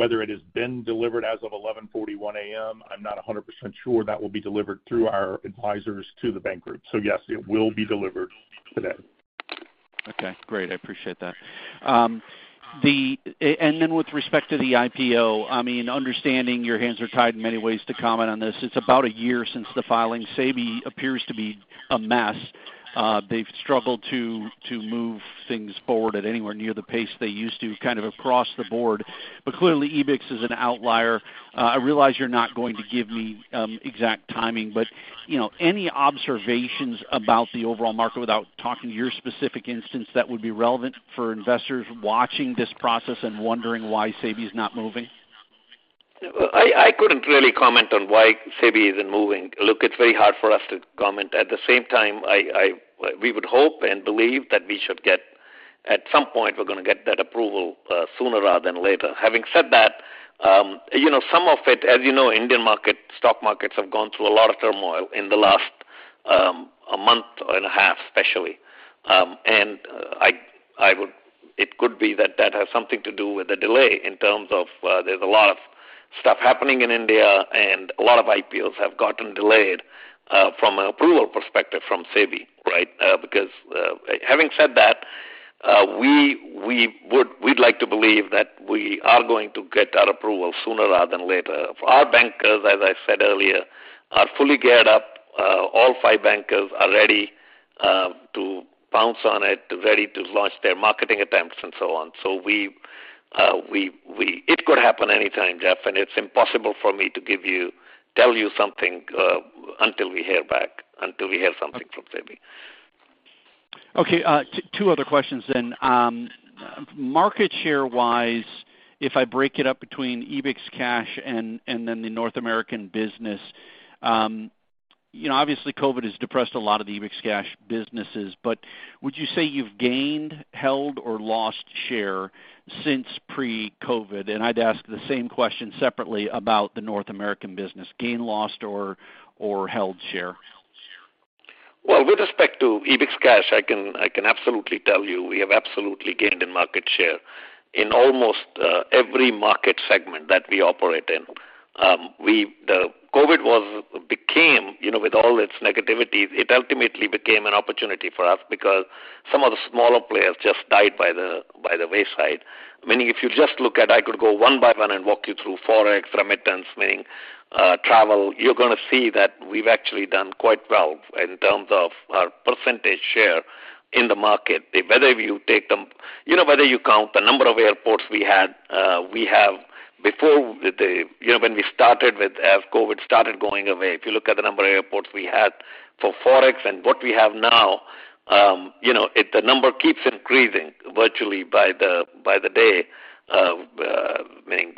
Whether it has been delivered as of 11:41 A.M., I'm not 100% sure. That will be delivered through our advisors to the bank group. Yes, it will be delivered today. Okay, great. I appreciate that. With respect to the IPO, I mean, understanding your hands are tied in many ways to comment on this. It's about a year since the filing. SEBI appears to be a mess. they've struggled to move things forward at anywhere near the pace they used to kind of across the board. Clearly Ebix is an outlier. I realize you're not going to give me exact timing, but, you know, any observations about the overall market without talking to your specific instance that would be relevant for investors watching this process and wondering why SEBI is not moving? I couldn't really comment on why SEBI isn't moving. Look, it's very hard for us to comment. At the same time, we would hope and believe that we should get, at some point, we're gonna get that approval sooner rather than later. Having said that, you know, some of it, as you know, Indian market, stock markets have gone through a lot of turmoil in the last a month and a half especially. It could be that that has something to do with the delay in terms of there's a lot of stuff happening in India, and a lot of IPOs have gotten delayed from an approval perspective from SEBI, right? Because, having said that, we'd like to believe that we are going to get our approval sooner rather than later. Our bankers, as I said earlier, are fully geared up. All five bankers are ready to pounce on it, ready to launch their marketing attempts, and so on. We, it could happen anytime, Jeff, and it's impossible for me to tell you something until we hear back, until we hear something from SEBI. Okay. Two other questions then, market share-wise, if I break it up between EbixCash and then the North American business, you know, obviously, COVID has depressed a lot of the EbixCash businesses, but would you say you've gained, held, or lost share since pre-COVID? I'd ask the same question separately about the North American business, gained, lost, or held share? Well, with respect to EbixCash, I can absolutely tell you we have absolutely gained in market share in almost every market segment that we operate in. The COVID became, you know, with all its negativity, it ultimately became an opportunity for us because some of the smaller players just died by the wayside. Meaning, if you just look at, I could go one by one and walk you through Forex, remittance, meaning, travel, you're gonna see that we've actually done quite well in terms of our percentage share in the market. You know, whether you count the number of airports we had, we have before the, you know, as COVID started going away, if you look at the number of airports we had for Forex and what we have now, you know, the number keeps increasing virtually by the, by the day. Meaning,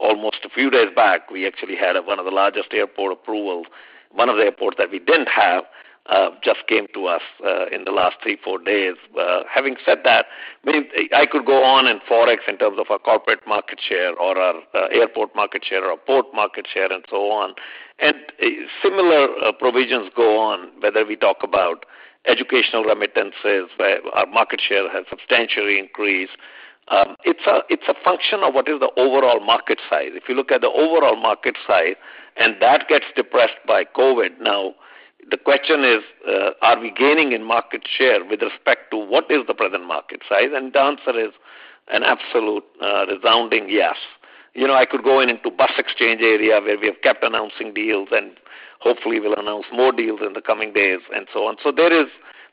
almost a few days back, we actually had one of the largest airport approvals. One of the airports that we didn't have, just came to us in the last three, four days. Having said that, I mean, I could go on in Forex in terms of our corporate market share or our airport market share or our port market share and so on. Similar provisions go on, whether we talk about educational remittances, where our market share has substantially increased. It's a function of what is the overall market size. If you look at the overall market size, and that gets depressed by COVID. Now, the question is, are we gaining in market share with respect to what is the present market size? The answer is an absolute resounding yes. You know, I could go into bus exchange area where we have kept announcing deals, and hopefully we'll announce more deals in the coming days, and so on. There is,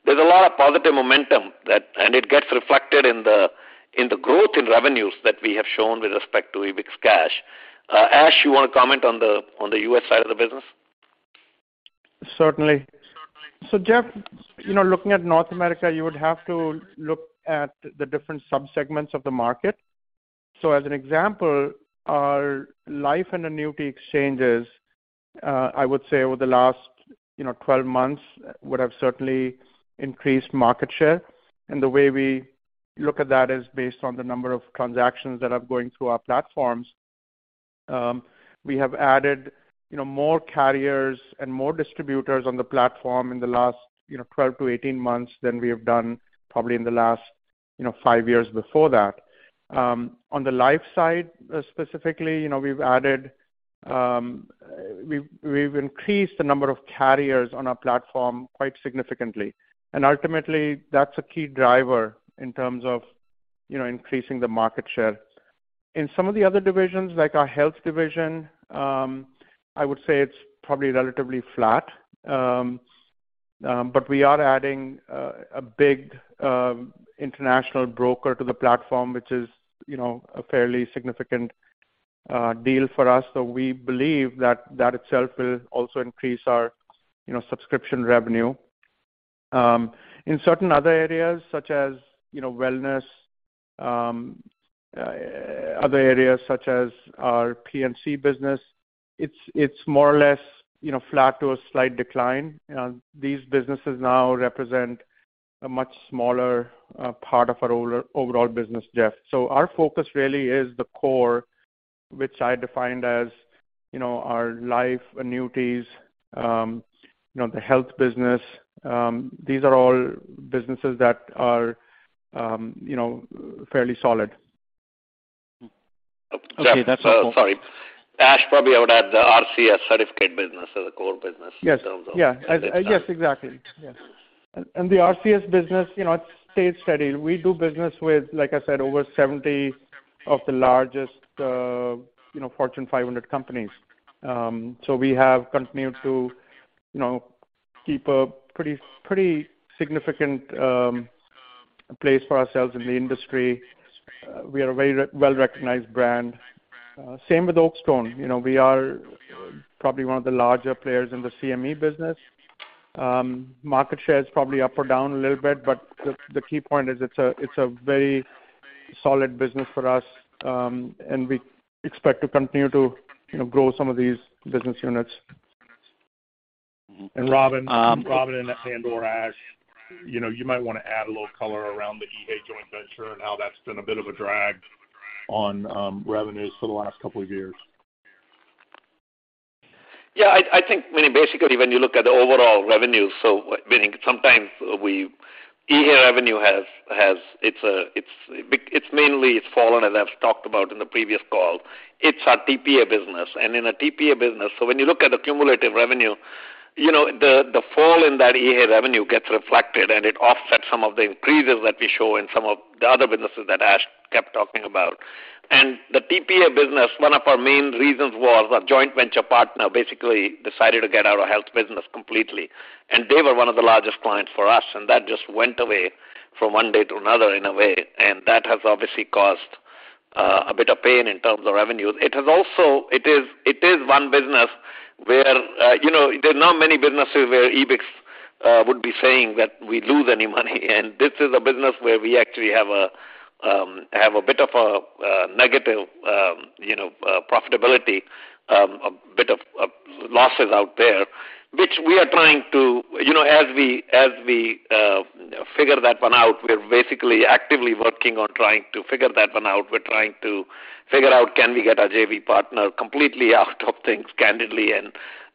there's a lot of positive momentum that and it gets reflected in the growth in revenues that we have shown with respect to EbixCash. Ash, you wanna comment on the U.S. side of the business? Certainly. Jeff, you know, looking at North America, you would have to look at the different subsegments of the market. As an example, our life and annuity exchanges, I would say over the last, you know, 12 months would have certainly increased market share. The way we look at that is based on the number of transactions that are going through our platforms. We have added, you know, more carriers and more distributors on the platform in the last, you know, 12-18 months than we have done probably in the last, you know, five years before that. On the life side, specifically, you know, we've added, we've increased the number of carriers on our platform quite significantly. Ultimately, that's a key driver in terms of, you know, increasing the market share. In some of the other divisions, like our Ebix Health division, I would say it's probably relatively flat. We are adding a big international broker to the platform, which is, you know, a fairly significant deal for us. We believe that that itself will also increase our, you know, subscription revenue. In certain other areas, such as, you know, wellness, other areas such as our P&C business, it's more or less, you know, flat to a slight decline. These businesses now represent a much smaller part of our overall business, Jeff. Our focus really is the core, which I defined as, you know, our life annuities, the Ebix Health business. These are all businesses that are, you know, fairly solid. Okay, that's helpful. Jeff, sorry. Ash probably would add the RCS certificate business as a core business-. Yes. in terms of Yeah. Yes, exactly. Yes. The RCS business, you know, it stays steady. We do business with, like I said, over 70 of the largest, you know, Fortune 500 companies. We have continued to, you know, keep a pretty significant place for ourselves in the industry. We are a very well-recognized brand. Same with Oakstone. You know, we are probably one of the larger players in the CME business. Market share is probably up or down a little bit, but the key point is it's a very solid business for us, and we expect to continue to, you know, grow some of these business units. Robin, and/or Ash, you know, you might wanna add a little color around the EHAE joint venture and how that's been a bit of a drag on revenues for the last couple of years. I mean, basically, when you look at the overall revenue, EHAE revenue has mainly fallen, as I've talked about in the previous call. It's our TPA business. In a TPA business, when you look at the cumulative revenue, you know, the fall in that EHAE revenue gets reflected, and it offsets some of the increases that we show in some of the other businesses that Ash kept talking about. The TPA business, one of our main reasons was our joint venture partner basically decided to get out of health business completely, and they were one of the largest clients for us, and that just went away from one day to another in a way. That has obviously caused a bit of pain in terms of revenue. It is one business where, you know, there are not many businesses where Ebix would be saying that we lose any money. This is a business where we actually have a bit of a negative, you know, profitability, a bit of losses out there, which we are trying to. You know, as we figure that one out, we're basically actively working on trying to figure that one out. We're trying to figure out, can we get our JV partner completely out of things candidly.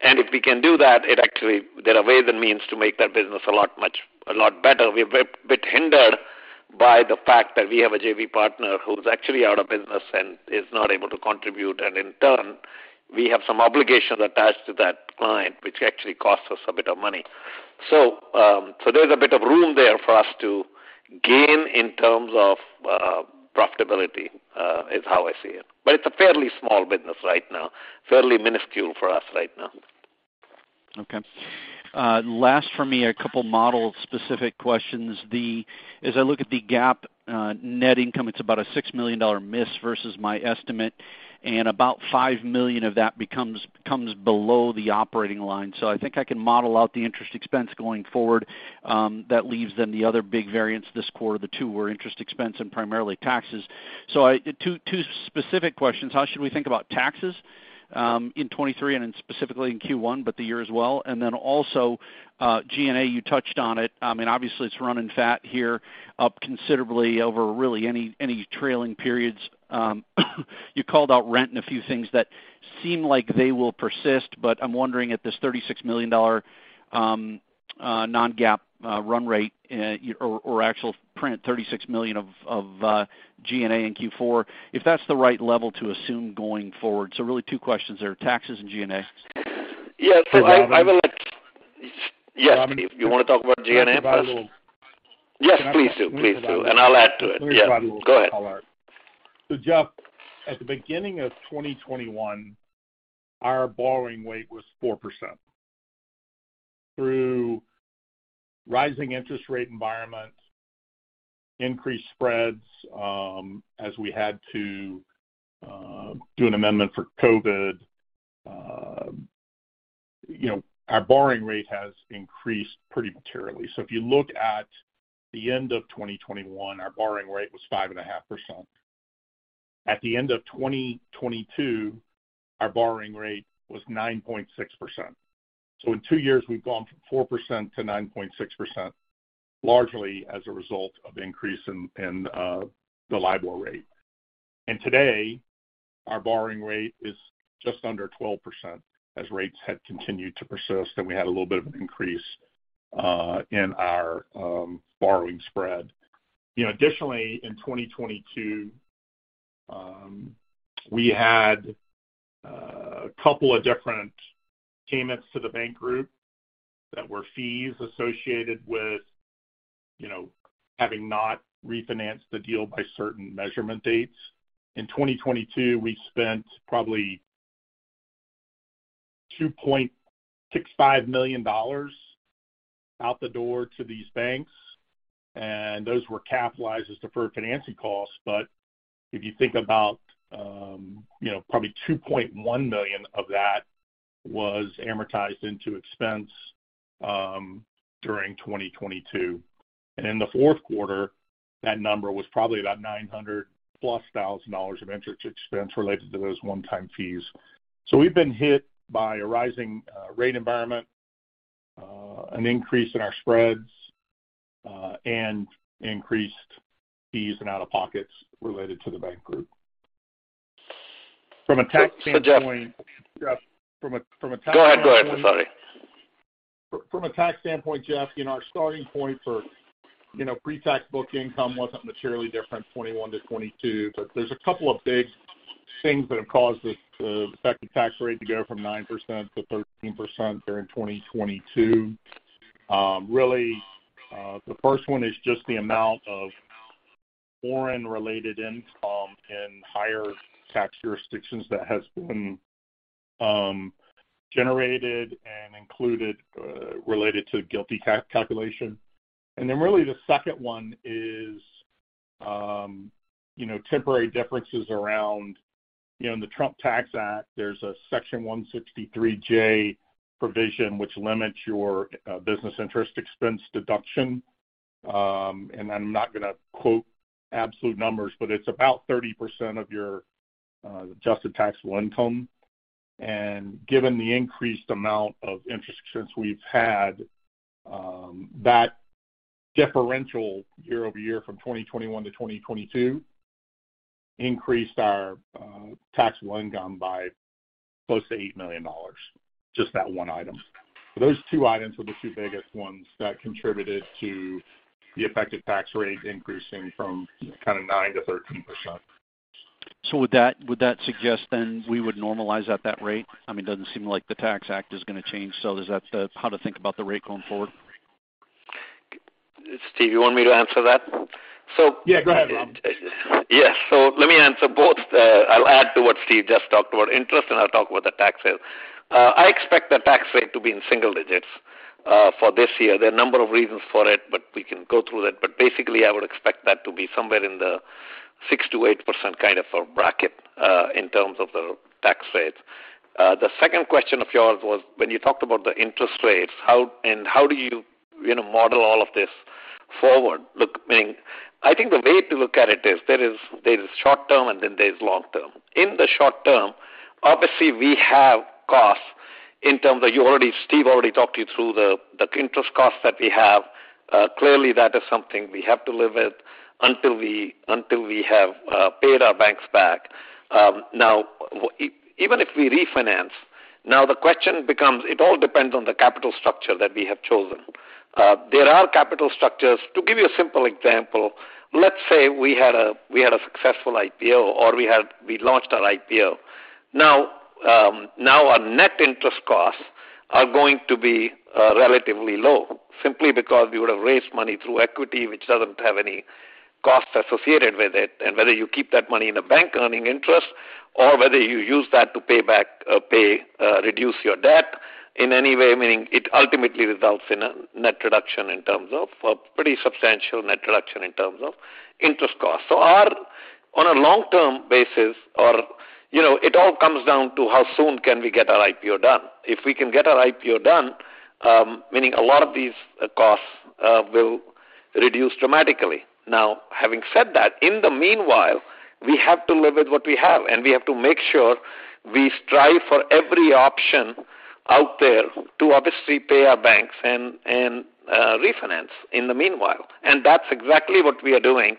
If we can do that, it actually there are ways and means to make that business a lot better. We're a bit hindered by the fact that we have a JV partner who's actually out of business and is not able to contribute. In turn, we have some obligations attached to that client, which actually costs us a bit of money. There's a bit of room there for us to gain in terms of profitability, is how I see it. It's a fairly small business right now, fairly minuscule for us right now. Okay. Last for me, a couple model-specific questions. As I look at the GAAP net income, it's about a $6 million miss versus my estimate, and about $5 million of that comes below the operating line. I think I can model out the interest expense going forward. That leaves the other big variance this quarter. The two were interest expense and primarily taxes. Two specific questions. How should we think about taxes in 2023 and specifically in Q1, the year as well? G&A, you touched on it. I mean obviously it's running fat here, up considerably over really any trailing periods. You called out rent and a few things that seem like they will persist. I'm wondering if this $36 million, non-GAAP, run rate, or actual print, $36 million of G&A in Q4, if that's the right level to assume going forward. really two questions there, taxes and G&A. Yeah. I For Robin. Yes. You wanna talk about G&A first? Can I provide a little- Yes, please do. Please do. I'll add to it. Yeah. Can I provide a little color? Go ahead. Jeff, at the beginning of 2021, our borrowing rate was 4%. Through rising interest rate environments, increased spreads, as we had to do an amendment for COVID, you know, our borrowing rate has increased pretty materially. If you look at the end of 2021, our borrowing rate was 5.5%. At the end of 2022, our borrowing rate was 9.6%. In two years, we've gone from 4%-9.6%, largely as a result of increase in the LIBOR rate. Today, our borrowing rate is just under 12% as rates had continued to persist, and we had a little bit of an increase in our borrowing spread. You know, additionally, in 2022, we had a couple of different payments to the bank group that were fees associated with, you know, having not refinanced the deal by certain measurement dates. In 2022, we spent probably $2.65 million out the door to these banks, those were capitalized as deferred financing costs. If you think about, you know, probably $2.1 million of that was amortized into expense during 2022. In the fourth quarter, that number was probably about $900+ thousand of interest expense related to those one-time fees. We've been hit by a rising rate environment, an increase in our spreads, and increased fees and out-of-pockets related to the bank group. From a tax standpoint- Jeff. Jeff, from a tax standpoint. Go ahead. Sorry. From a tax standpoint, Jeff, you know, our starting point for, you know, pre-tax book income wasn't materially different, 2021-2022. There's a couple of big things that have caused the effective tax rate to go from 9%-13% during 2022. Really, the first one is just the amount of foreign related income in higher tax jurisdictions that has been generated and included related to GILTI calculation. Really the second one is, you know, temporary differences around. You know, in the Trump Tax Act, there's a Section 163(j) provision which limits your business interest expense deduction. I'm not gonna quote absolute numbers, but it's about 30% of your adjusted taxable income. Given the increased amount of interest expense we've had, that differential year-over-year from 2021-2022 increased our taxable income by close to $8 million, just that one item. Those two items were the two biggest ones that contributed to the effective tax rate increasing from kinda 9%-13%. Would that suggest then we would normalize at that rate? I mean, it doesn't seem like the Tax Act is going to change. Is that the how to think about the rate going forward? Steve, you want me to answer that? Yeah, go ahead, Robin. Yes. Let me answer both. I'll add to what Steve just talked about interest, and I'll talk about the tax sale. I expect the tax rate to be in single digits for this year. There are a number of reasons for it, but we can go through that. Basically, I would expect that to be somewhere in the 6%-8% kind of a bracket in terms of the tax rates. The second question of yours was when you talked about the interest rates, how do you know, model all of this forward-looking? I think the way to look at it is there's short-term, and then there's long-term. In the short-term, obviously, we have costs in terms of Steve already talked you through the interest costs that we have. Clearly, that is something we have to live with until we have paid our banks back. Now, even if we refinance, the question becomes, it all depends on the capital structure that we have chosen. There are capital structures. To give you a simple example, let's say we had a successful IPO or we launched our IPO. Now, our net interest costs are going to be relatively low simply because we would have raised money through equity, which doesn't have any costs associated with it. Whether you keep that money in a bank earning interest or whether you use that to pay back, reduce your debt in any way, meaning it ultimately results in a net reduction, a pretty substantial net reduction in terms of interest costs. On a long-term basis or, you know, it all comes down to how soon can we get our IPO done. If we can get our IPO done, meaning a lot of these costs will reduce dramatically. Having said that, in the meanwhile, we have to live with what we have, and we have to make sure we strive for every option out there to obviously pay our banks and refinance in the meanwhile. That's exactly what we are doing.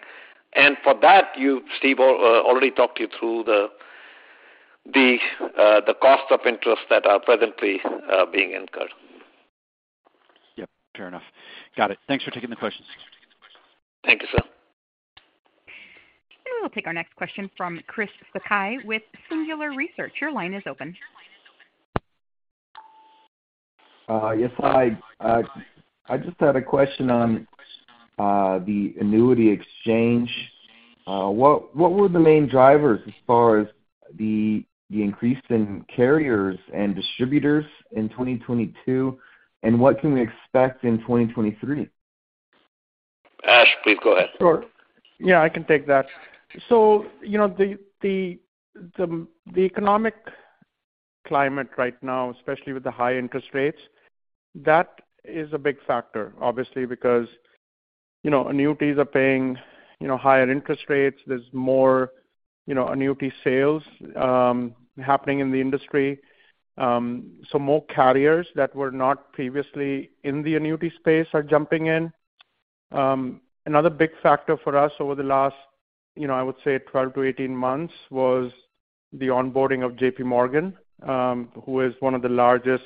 For that, Steve already talked you through the cost of interest that are presently being incurred. Yep, fair enough. Got it. Thanks for taking the questions. Thank you, sir. We'll take our next question from Chris Sakai with Singular Research. Your line is open. Yes, hi. I just had a question on the annuity exchange. What were the main drivers as far as the increase in carriers and distributors in 2022? What can we expect in 2023? Ash, please go ahead. Sure. Yeah, I can take that. You know, the economic climate right now, especially with the high interest rates, that is a big factor, obviously, because, you know, annuities are paying, you know, higher interest rates. There's more, you know, annuity sales happening in the industry. More carriers that were not previously in the annuity space are jumping in. Another big factor for us over the last, you know, I would say 12-18 months was the onboarding of JPMorgan, who is one of the largest,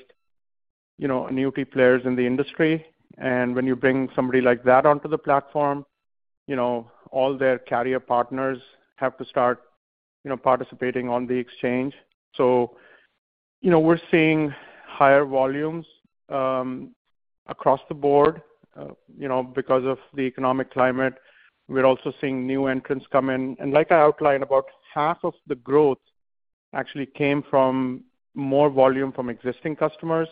you know, annuity players in the industry. When you bring somebody like that onto the platform, you know, all their carrier partners have to start, you know, participating on the exchange. You know, we're seeing higher volumes across the board, you know, because of the economic climate. We're also seeing new entrants come in. Like I outlined, about half of the growth actually came from more volume from existing customers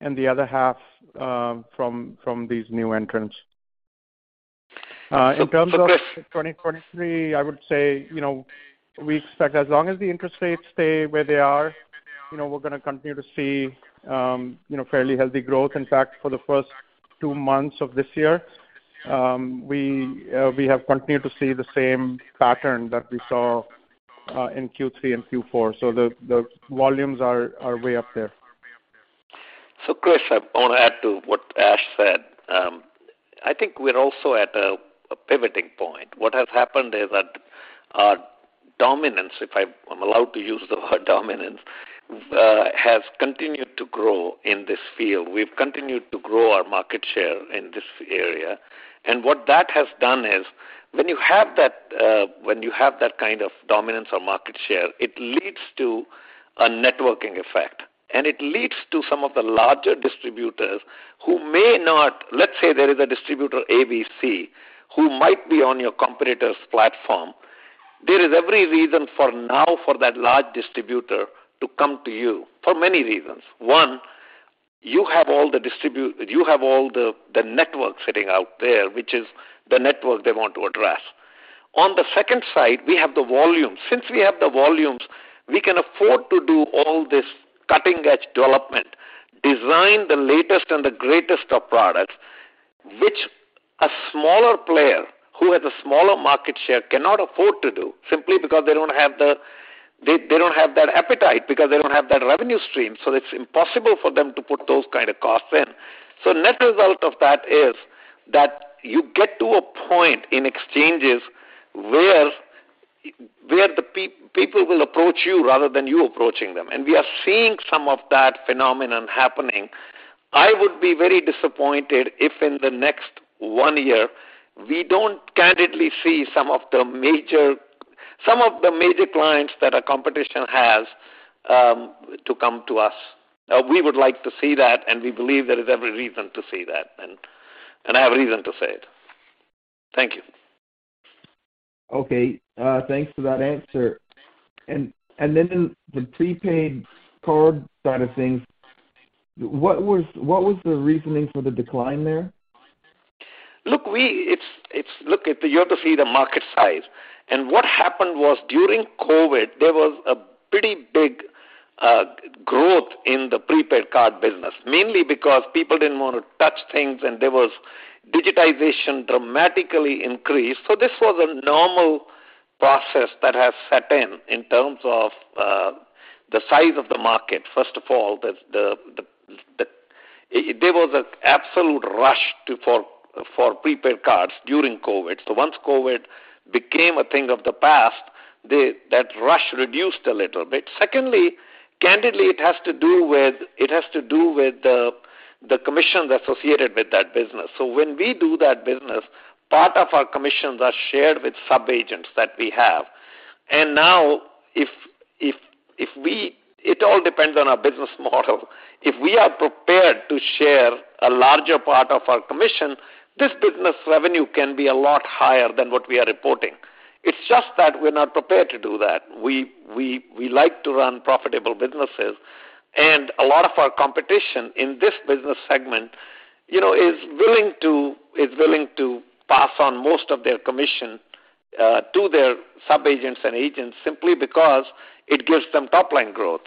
and the other half from these new entrants. In terms of 2023, I would say, you know, we expect as long as the interest rates stay where they are, you know, we're gonna continue to see, you know, fairly healthy growth. In fact, for the first two months of this year, we have continued to see the same pattern that we saw in Q3 and Q4. The volumes are way up there. Chris, I want to add to what Ash said. I think we're also at a pivoting point. What has happened is that our dominance, if I'm allowed to use the word dominance, has continued to grow in this field. We've continued to grow our market share in this area. What that has done is when you have that, when you have that kind of dominance or market share, it leads to a networking effect, and it leads to some of the larger distributors who may not. Let's say there is a distributor, ABC, who might be on your competitor's platform. There is every reason for now for that large distributor to come to you for many reasons. One, you have all the network sitting out there, which is the network they want to address. On the second side, we have the volume. Since we have the volumes, we can afford to do all this cutting-edge development, design the latest and the greatest of products, which a smaller player who has a smaller market share cannot afford to do simply because they don't have that appetite because they don't have that revenue stream. It's impossible for them to put those kind of costs in. Net result of that is that you get to a point in exchanges where the people will approach you rather than you approaching them. We are seeing some of that phenomenon happening. I would be very disappointed if in the next one year, we don't candidly see some of the major clients that our competition has to come to us. We would like to see that, and we believe there is every reason to see that. I have a reason to say it. Thank you. Okay. Thanks for that answer. And then prepaid card side of things, what was the reasoning for the decline there? Look, you have to see the market size. What happened was, during COVID, there was a pretty big growth in the prepaid card business, mainly because people didn't wanna touch things, digitization dramatically increased. This was a normal process that has set in terms of the size of the market. First of all, there was an absolute rush for prepaid cards during COVID. Once COVID became a thing of the past, that rush reduced a little bit. Secondly, candidly, it has to do with the commissions associated with that business. When we do that business, part of our commissions are shared with sub-agents that we have. Now it all depends on our business model. If we are prepared to share a larger part of our commission, this business revenue can be a lot higher than what we are reporting. It's just that we're not prepared to do that. We like to run profitable businesses. A lot of our competition in this business segment, you know, is willing to pass on most of their commission to their sub-agents and agents simply because it gives them top-line growth.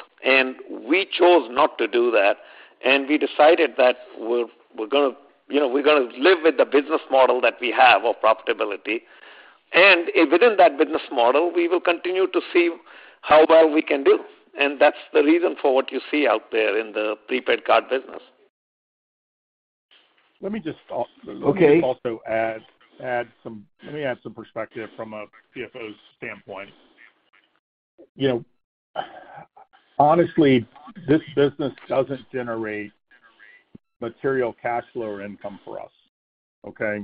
We chose not to do that, and we decided that we're gonna, you know, we're gonna live with the business model that we have of profitability. Within that business model, we will continue to see how well we can do. That's the reason for what you see out there in the prepaid card business. Let me just al. Okay. Let me just also add some perspective from a CFO's standpoint. You know, honestly, this business doesn't generate material cash flow or income for us, okay?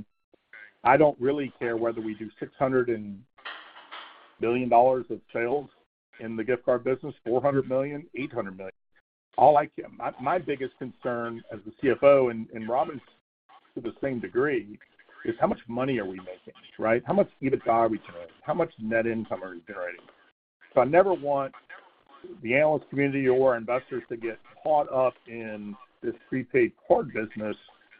I don't really care whether we do $600 billion of sales in the gift card business, $400 million, $800 million. My biggest concern as the CFO, and Robin to the same degree, is how much money are we making, right? How much EBITDA are we generating? How much net income are we generating? I never want the analyst community or investors to get caught up in this prepaid card business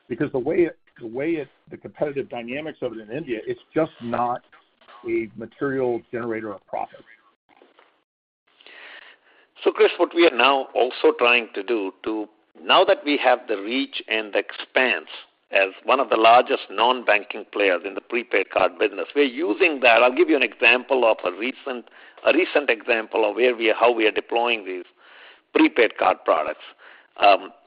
because the way it, the competitive dynamics of it in India, it's just not a material generator of profit. Chris, what we are now also trying to do. Now that we have the reach and the expanse as one of the largest non-banking players in the prepaid card business, we're using that. I'll give you an example of a recent example of where we are deploying these prepaid card products,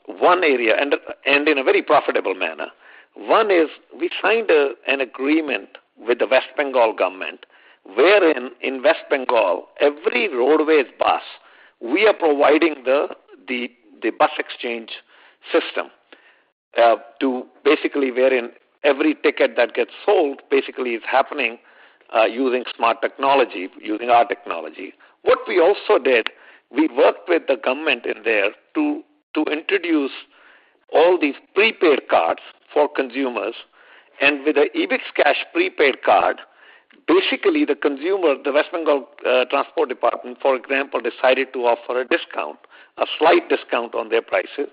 one area, and in a very profitable manner. One is we signed an agreement with the West Bengal government wherein in West Bengal, every roadways bus, we are providing the bus exchange system to basically wherein every ticket that gets sold is happening using smart technology, using our technology. What we also did, we worked with the government in there to introduce all these prepaid cards for consumers. With the EbixCash prepaid card, basically the consumer, the West Bengal Transport Department, for example, decided to offer a discount, a slight discount on their prices.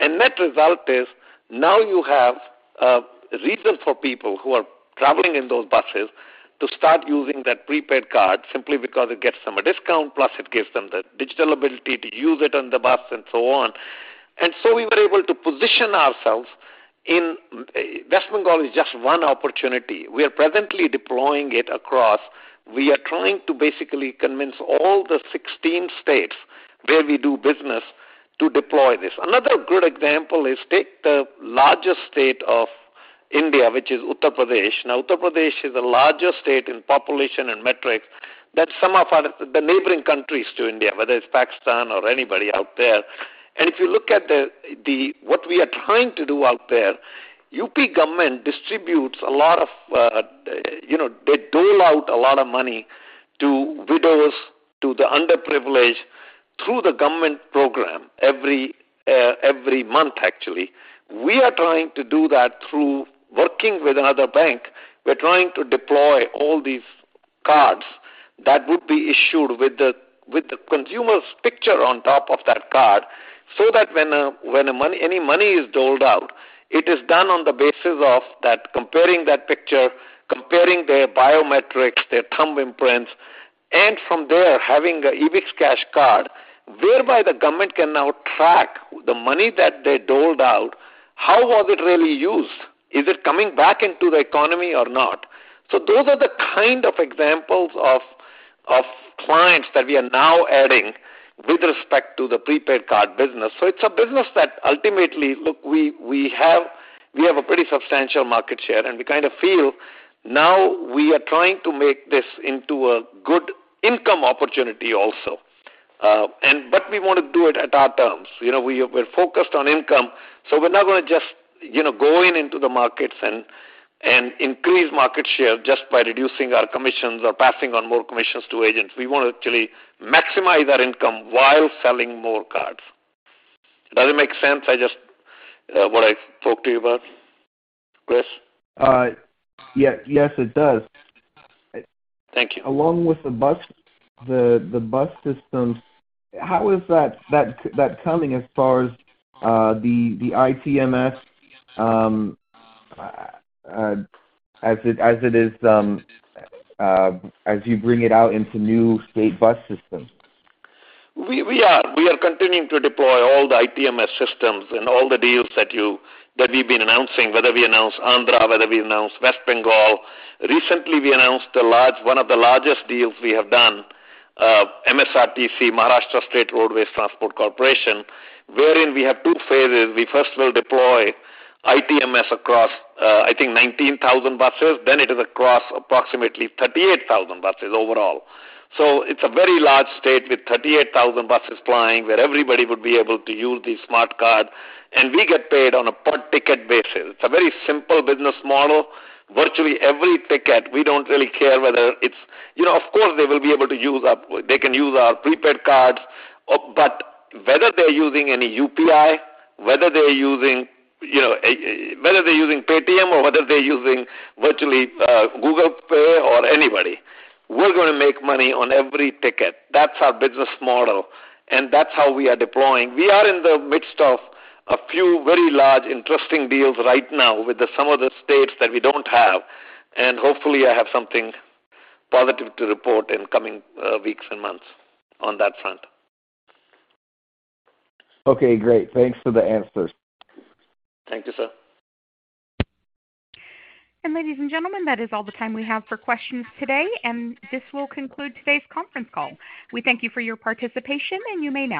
Net result is now you have a reason for people who are traveling in those buses to start using that prepaid card simply because it gets them a discount, plus it gives them the digital ability to use it on the bus and so on. We were able to position ourselves in... West Bengal is just one opportunity. We are presently deploying it across. We are trying to basically convince all the 16 states where we do business to deploy this. Another good example is take the largest state of India, which is Uttar Pradesh. Uttar Pradesh is the largest state in population and metrics that the neighboring countries to India, whether it's Pakistan or anybody out there. If you look at what we are trying to do out there, UP government distributes a lot of, you know, they dole out a lot of money to widows, to the underprivileged through the government program every month actually. We are trying to do that through working with another bank. We're trying to deploy all these cards that would be issued with the consumer's picture on top of that card so that when any money is doled out, it is done on the basis of that comparing that picture, comparing their biometrics, their thumb imprints, and from there, having a EbixCash card whereby the government can now track the money that they doled out, how was it really used? Is it coming back into the economy or not? Those are the kind of examples of clients that we are now adding with respect to the prepaid card business. It's a business that ultimately, look, we have a pretty substantial market share, and we kind of feel now we are trying to make this into a good income opportunity also. But we wanna do it at our terms. You know, we're focused on income, so we're not gonna just, you know, go into the markets and increase market share just by reducing our commissions or passing on more commissions to agents. We wanna actually maximize our income while selling more cards. Does it make sense? What I talked to you about, Chris? Yeah. Yes, it does. Thank you. Along with the bus systems, how is that coming as far as the ITMS, as it is, as you bring it out into new state bus systems? We are continuing to deploy all the ITMS systems and all the deals that we've been announcing, whether we announce Andhra, whether we announce West Bengal. Recently, we announced a large, one of the largest deals we have done, MSRTC, Maharashtra State Roadways Transport Corporation, wherein we have two phases. We first will deploy ITMS across, I think 19,000 buses, then it is across approximately 38,000 buses overall. It's a very large state with 38,000 buses plying, where everybody would be able to use these smart card, and we get paid on a per ticket basis. It's a very simple business model. Virtually every ticket, we don't really care whether it's... You know, of course, they will be able to use our prepaid cards, but whether they're using any UPI, whether they're using, you know, whether they're using Paytm or whether they're using virtually, Google Pay or anybody, we're gonna make money on every ticket. That's our business model, that's how we are deploying. We are in the midst of a few very large interesting deals right now with some of the states that we don't have, hopefully I have something positive to report in coming weeks and months on that front. Okay, great. Thanks for the answers. Thank you, sir. Ladies and gentlemen, that is all the time we have for questions today. This will conclude today's conference call. We thank you for your participation. You may now